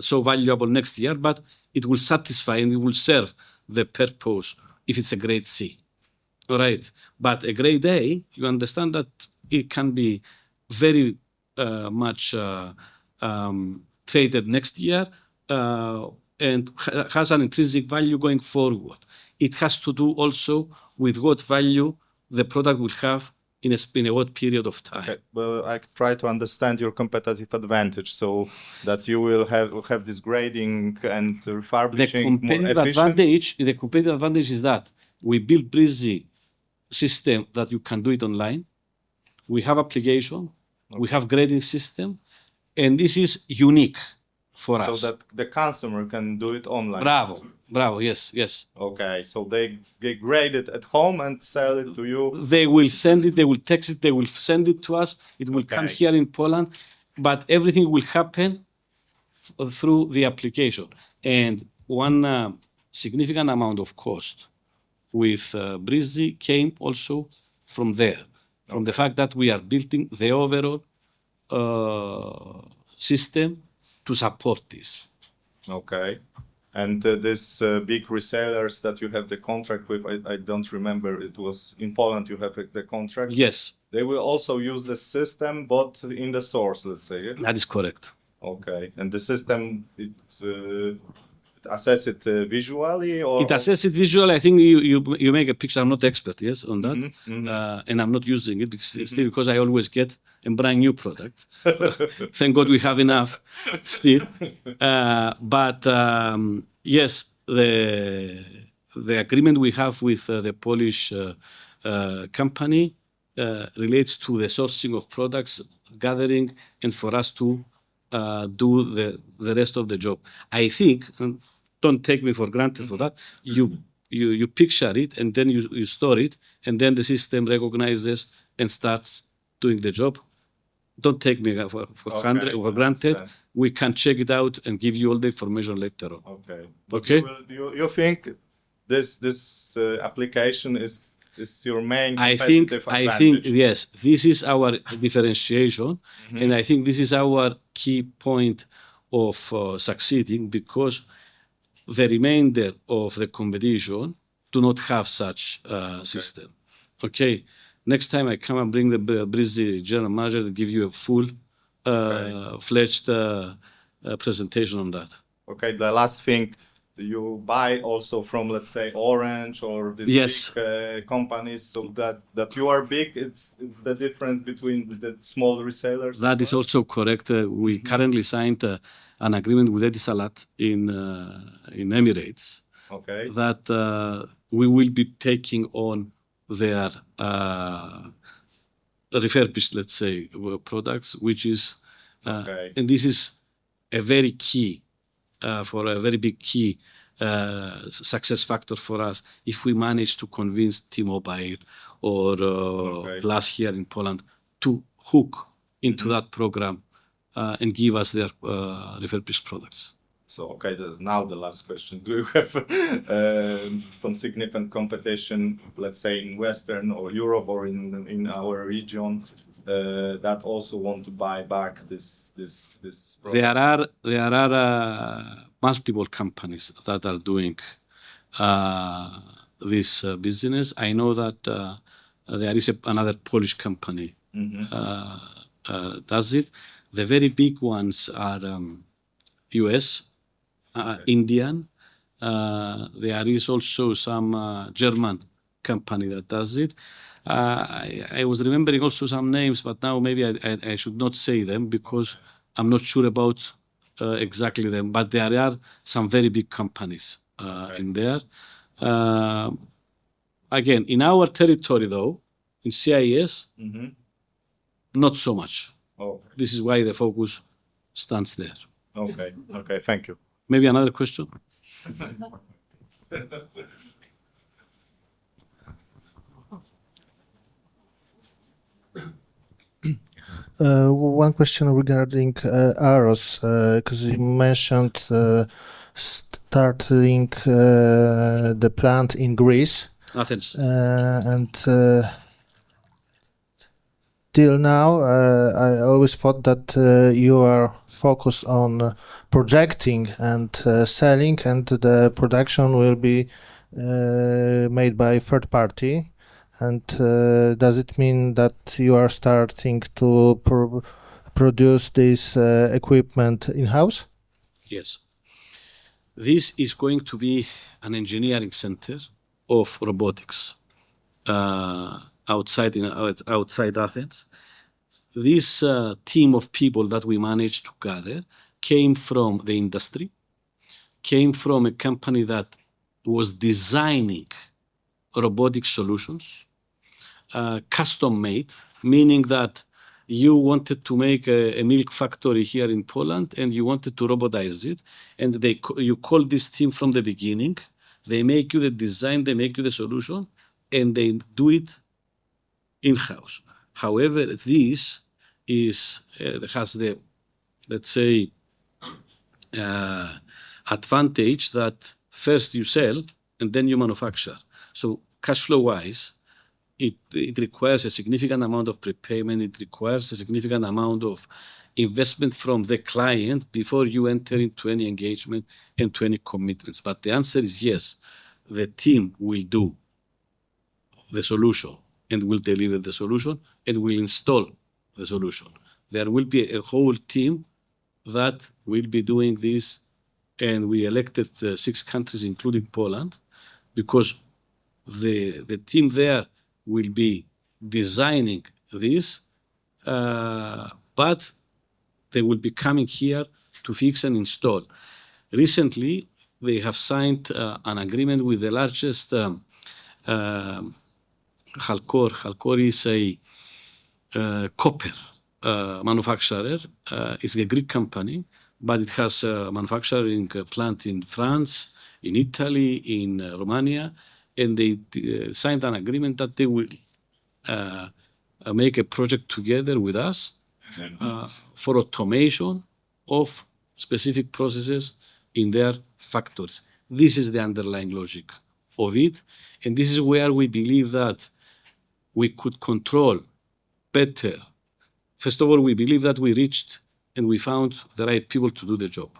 so valuable next year, but it will satisfy and it will serve the purpose if it's a Grade C. Right? But a Grade A, you understand that it can be very much traded next year and has an intrinsic value going forward. It has to do also with what value the product will have in what period of time. Okay. Well, I try to understand your competitive advantage, so that you will have this grading and refurbishing more efficient. The competitive advantage is that we build Breezy system that you can do it online. We have application. Okay. We have grading system, and this is unique for us. That the customer can do it online? Bravo. Bravo, yes. Okay, they grade it at home and sell it to you? They will send it, they will text it, they will send it to us. Okay. It will come here in Poland, but everything will happen through the application. One significant amount of cost with Breezy came also from there. Okay. From the fact that we are building the overall system to support this. Okay. This big resellers that you have the contract with, I don't remember, it was in Poland you have the contract? Yes. They will also use the system but in the stores, let's say. Yeah? That is correct. Okay. The system, it assesses it visually. It assesses it visually. I think you make a picture. I'm not an expert, yes, on that. Mm-hmm. Mm-hmm. I'm not using it still because I always get a brand-new product. Thank God we have enough still. Yes, the agreement we have with the Polish company relates to the sourcing of products, gathering, and for us to do the rest of the job. I think, and don't take me for granted for that. Mm-hmm. Mm-hmm You picture it, and then you store it, and then the system recognizes and starts doing the job. Don't take me now for granted. Okay. I understand. for granted. We can check it out and give you all the information later on. Okay. Okay? You think this application is your main competitive advantage? I think, yes, this is our differentiation. Mm-hmm. I think this is our key point of succeeding because the remainder of the competition do not have such a system. Okay. Okay? Next time I come, I bring the Breezy general manager to give you a full. Okay Full-fledged presentation on that. Okay. The last thing, do you buy also from, let's say, Orange or this big- Yes companies, so that you are big, it's the difference between the small resellers and so on? That is also correct. Mm-hmm We currently signed an agreement with Etisalat in Emirates. Okay that we will be taking on their refurbished, let's say, products, which is Okay This is a very big key success factor for us if we manage to convince T-Mobile or. Okay Plus here in Poland to hook into that program, and give us their refurbished products. Okay, now the last question. Do you have some significant competition, let's say, in Western or Europe or in our region, that also want to buy back this product? There are multiple companies that are doing this business. I know that there is another Polish company. Mm-hmm Does it. The very big ones are U.S., Indian. Okay. There is also some German company that does it. I was remembering also some names, but now maybe I should not say them because I'm not sure about exactly them, but there are some very big companies. Okay In there. Again, in our territory, though, in CIS. Mm-hmm Not so much. Okay. This is why the focus stands there. Okay. Thank you. Maybe another question? One question regarding AROS, 'cause you mentioned starting the plant in Greece. Athens. Till now, I always thought that you are focused on projecting and selling and the production will be made by third party, and does it mean that you are starting to produce this equipment in-house? This is going to be an engineering center of robotics outside Athens. This team of people that we managed to gather came from the industry, came from a company that was designing robotic solutions, custom made, meaning that you wanted to make a milk factory here in Poland, and you wanted to robotize it, and you call this team from the beginning, they make you the design, they make you the solution, and they do it in-house. This has the, let's say, advantage that first you sell and then you manufacture. Cashflow-wise, it requires a significant amount of prepayment, it requires a significant amount of investment from the client before you enter into any engagement and to any commitments. The answer is yes, the team will do the solution, and will deliver the solution, and will install the solution. There will be a whole team that will be doing this, and we elected the six countries, including Poland, because the team there will be designing this, but they will be coming here to fix and install. Recently, they have signed an agreement with the largest Halcor. Halcor is a copper manufacturer. It's a Greek company, but it has a manufacturing plant in France, in Italy, in Romania, and they signed an agreement that they will make a project together with us for automation of specific processes in their factories. This is the underlying logic of it, and this is where we believe that we could control better. First of all, we believe that we reached and we found the right people to do the job.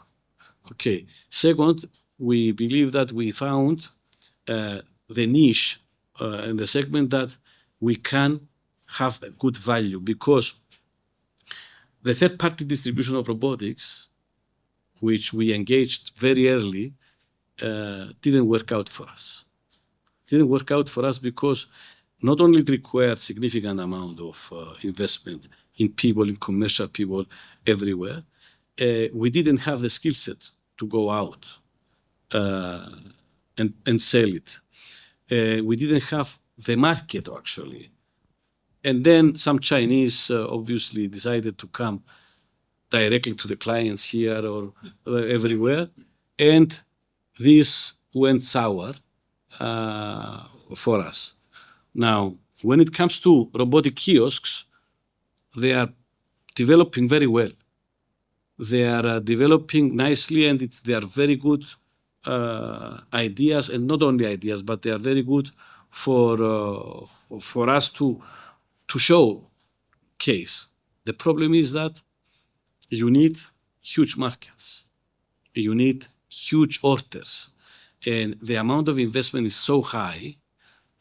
Okay. Second, we believe that we found the niche and the segment that we can have a good value because the third-party distribution of robotics, which we engaged very early, didn't work out for us. Didn't work out for us because not only it required significant amount of investment in people, in commercial people everywhere, we didn't have the skill set to go out and sell it. We didn't have the market, actually. Then some Chinese obviously decided to come directly to the clients here or everywhere, and this went sour for us. Now, when it comes to robotic kiosks, they are developing very well. They are developing nicely. They are very good ideas, and not only ideas, but they are very good for us to showcase. The problem is that you need huge markets. You need huge orders. The amount of investment is so high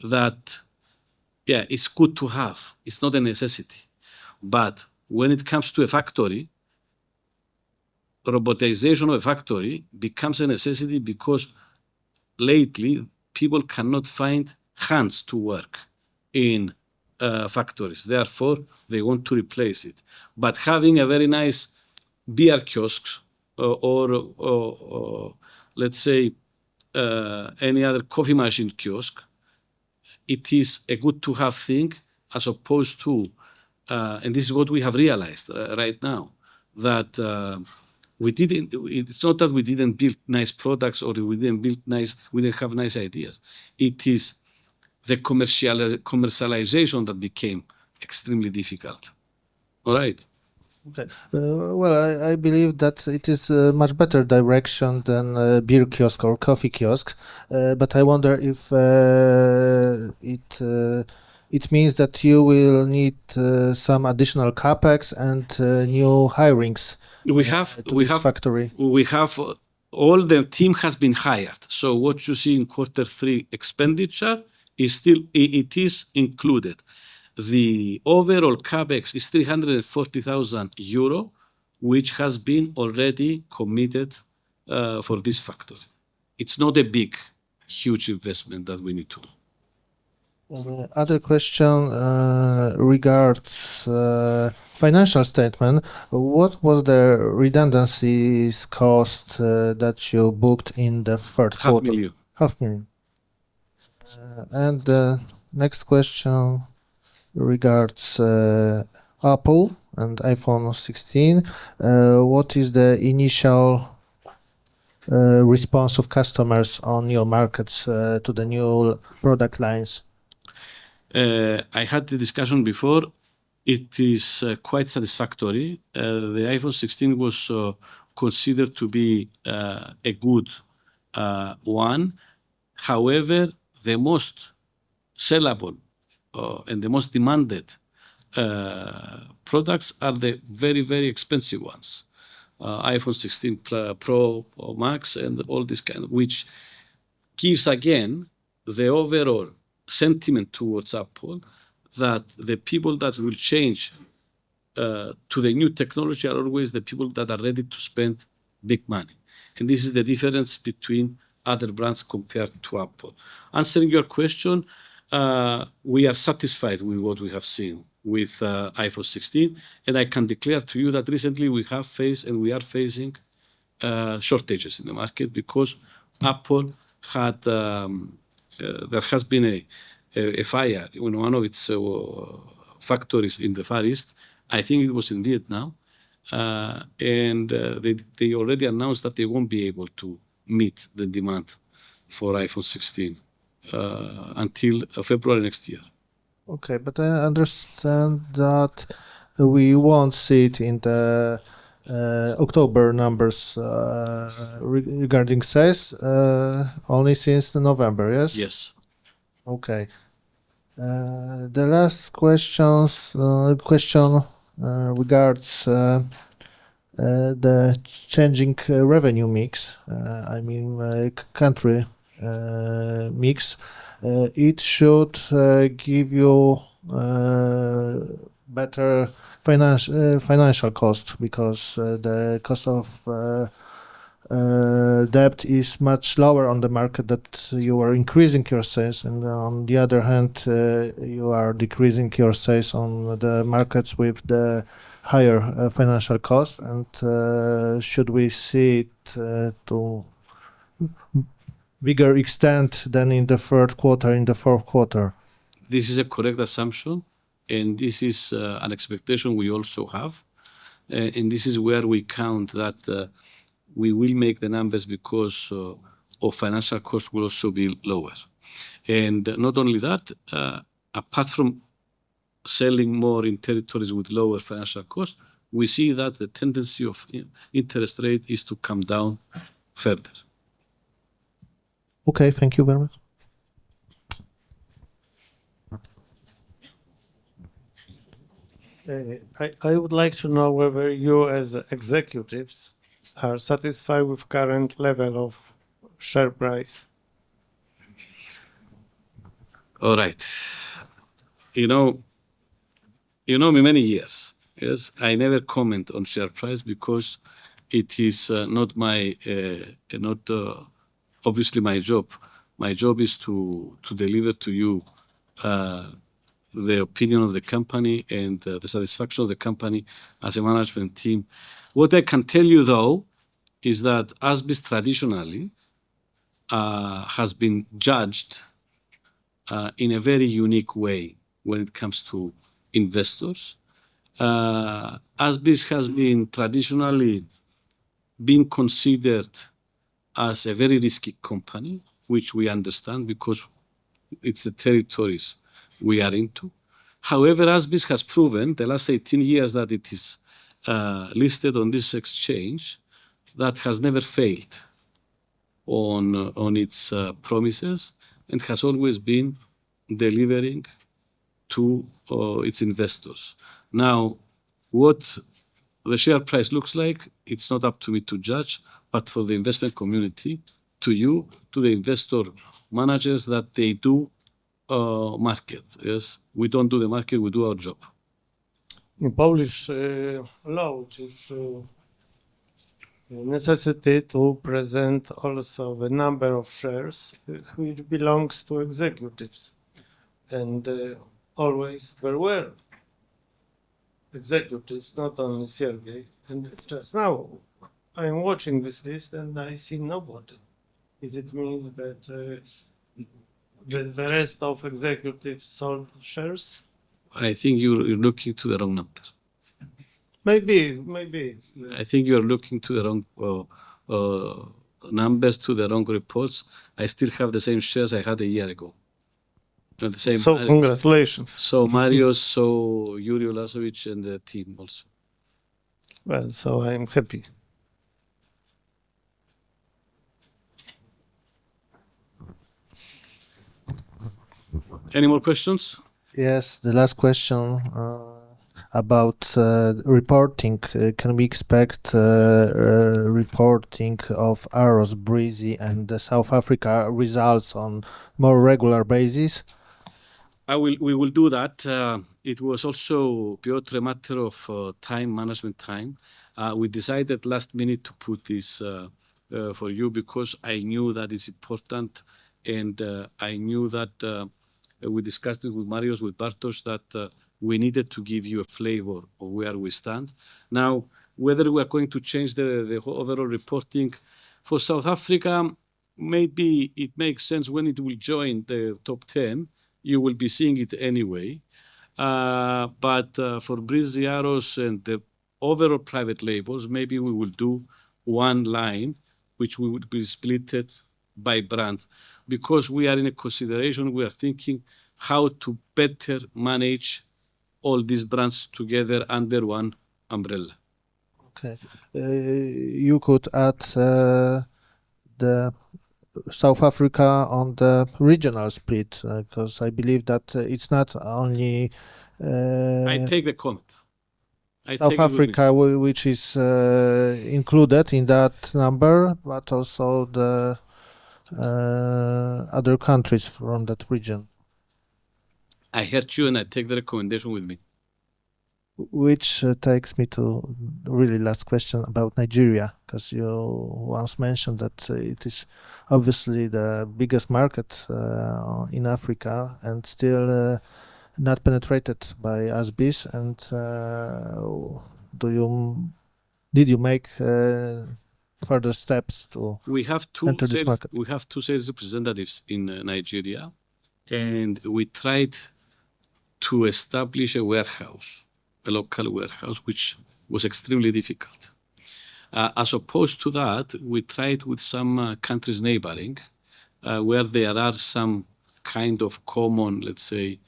that, yeah, it's good to have, it's not a necessity. When it comes to a factory, robotization of a factory becomes a necessity because lately people cannot find hands to work in factories, therefore, they want to replace it. Having a very nice beer kiosk or let's say any other coffee machine kiosk, it is a good to have thing as opposed to. This is what we have realized right now, that we didn't. It's not that we didn't build nice products or we didn't build nice. We didn't have nice ideas, it is the commercialization that became extremely difficult. All right? Okay. Well, I believe that it is a much better direction than a beer kiosk or coffee kiosk, but I wonder if it means that you will need some additional CapEx and new hirings. We have. at the factory. All the team has been hired, so what you see in quarter three expenditure is still it is included. The overall CapEx is 340 thousand euro, which has been already committed for this factory. It's not a big, huge investment that we need to. Another question regarding financial statement. What was the redundancy costs that you booked in the first quarter? half million. half million. Next question regarding Apple and iPhone 16. What is the initial response of customers on new markets to the new product lines? I had the discussion before. It is quite satisfactory. The iPhone 16 was considered to be a good one. However, the most sellable and the most demanded products are the very, very expensive ones, iPhone 16 Pro or Max and all this kind, which gives again the overall sentiment towards Apple that the people that will change to the new technology are always the people that are ready to spend big money, and this is the difference between other brands compared to Apple. Answering your question, we are satisfied with what we have seen with iPhone 16, and I can declare to you that recently we have faced and we are facing shortages in the market because there has been a fire in one of its factories in the Far East. I think it was in Vietnam. They already announced that they won't be able to meet the demand for iPhone 16 until February next year. Okay, I understand that we won't see it in the October numbers, regarding sales, only since the November, yes? Yes. Okay. The last question regards the changing revenue mix, I mean, like country mix. It should give you better financial cost because the cost of debt is much lower on the market that you are increasing your sales and, on the other hand, you are decreasing your sales on the markets with the higher financial cost. Should we see it to bigger extent than in the third quarter, in the fourth quarter? This is a correct assumption, and this is an expectation we also have. This is where we count that we will make the numbers because our financial cost will also be lower. Not only that, apart from selling more in territories with lower financial cost, we see that the tendency of interest rate is to come down further. Okay, thank you very much. I would like to know whether you as executives are satisfied with current level of share price. All right. You know me many years. Yes. I never comment on share price because it is not obviously my job. My job is to deliver to you the opinion of the company and the satisfaction of the company as a management team. What I can tell you, though, is that ASBIS traditionally has been judged in a very unique way when it comes to investors. ASBIS has been traditionally considered as a very risky company, which we understand because it's the territories we are into. However, ASBIS has proven the last 18 years that it is listed on this exchange that has never failed on its promises and has always been delivering to its investors. Now, what the share price looks like, it's not up to me to judge, but for the investment community, to you, to the investor managers that they do market. Yes. We don't do the market. We do our job. In Polish law it is a necessity to present also the number of shares which belongs to executives, and always there were executives, not only Sergei. Just now I am watching this list and I see nobody. Is it means that the rest of executives sold shares? I think you're looking to the wrong number. Maybe. I think you are looking to the wrong numbers, to the wrong reports. I still have the same shares I had a year ago. Congratulations. Marios, Jurij Lazovic and the team also. Well, I am happy. Any more questions? Yes. The last question about reporting. Can we expect reporting of AROS, Breezy and the South Africa results on more regular basis? We will do that. It was also, Piotr, a matter of time, management time. We decided last minute to put this for you because I knew that it's important and I knew that we discussed it with Marios, with Bartosz, that we needed to give you a flavor of where we stand. Now, whether we are going to change the overall reporting for South Africa, maybe it makes sense when it will join the top ten. You will be seeing it anyway. But for Breezy, AROS and the overall private labels, maybe we will do one line which will be split by brand. We are under consideration, we are thinking how to better manage all these brands together under one umbrella. Okay. You could add South Africa on the regional split, 'cause I believe that it's not only, I take the comment. South Africa. Mm-hmm which is included in that number, but also the other countries from that region. I heard you, and I take that recommendation with me. Which takes me to really last question about Nigeria, 'cause you once mentioned that it is obviously the biggest market in Africa and still not penetrated by ASBIS. Did you make further steps to- We have two sales. Enter this market? We have two sales representatives in Nigeria, and we tried to establish a warehouse, a local warehouse, which was extremely difficult. As opposed to that, we tried with some countries neighboring where there are some kind of common, let's say,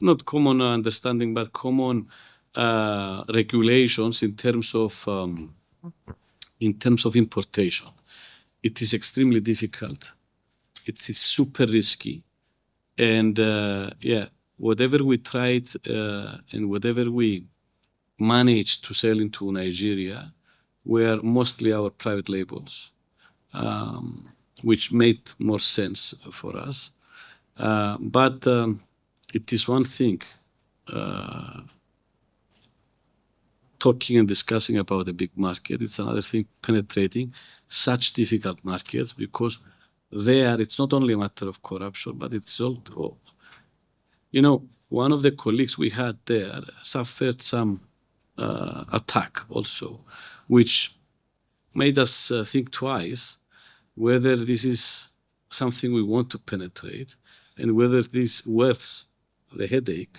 not common understanding, but common regulations in terms of importation. It is extremely difficult. It is super risky and whatever we tried and whatever we managed to sell into Nigeria were mostly our private labels which made more sense for us. It is one thing talking and discussing about the big market. It's another thing penetrating such difficult markets because there it's not only a matter of corruption, but it's also. You know, one of the colleagues we had there suffered some attack also, which made us think twice whether this is something we want to penetrate and whether this worths the headache.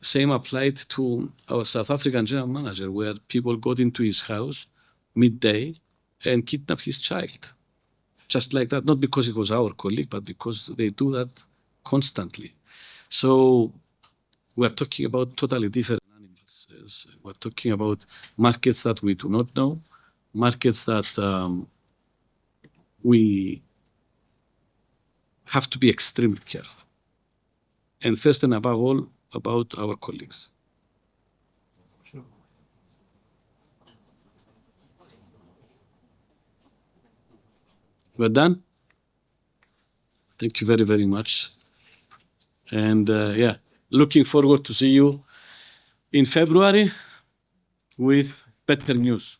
Same applied to our South African general manager, where people got into his house midday and kidnapped his child just like that. Not because he was our colleague, but because they do that constantly. We're talking about totally different animals. We're talking about markets that we do not know, markets that we have to be extremely careful, and first and above all, about our colleagues. Sure. We're done? Thank you very, very much. Yeah, looking forward to see you in February with better news.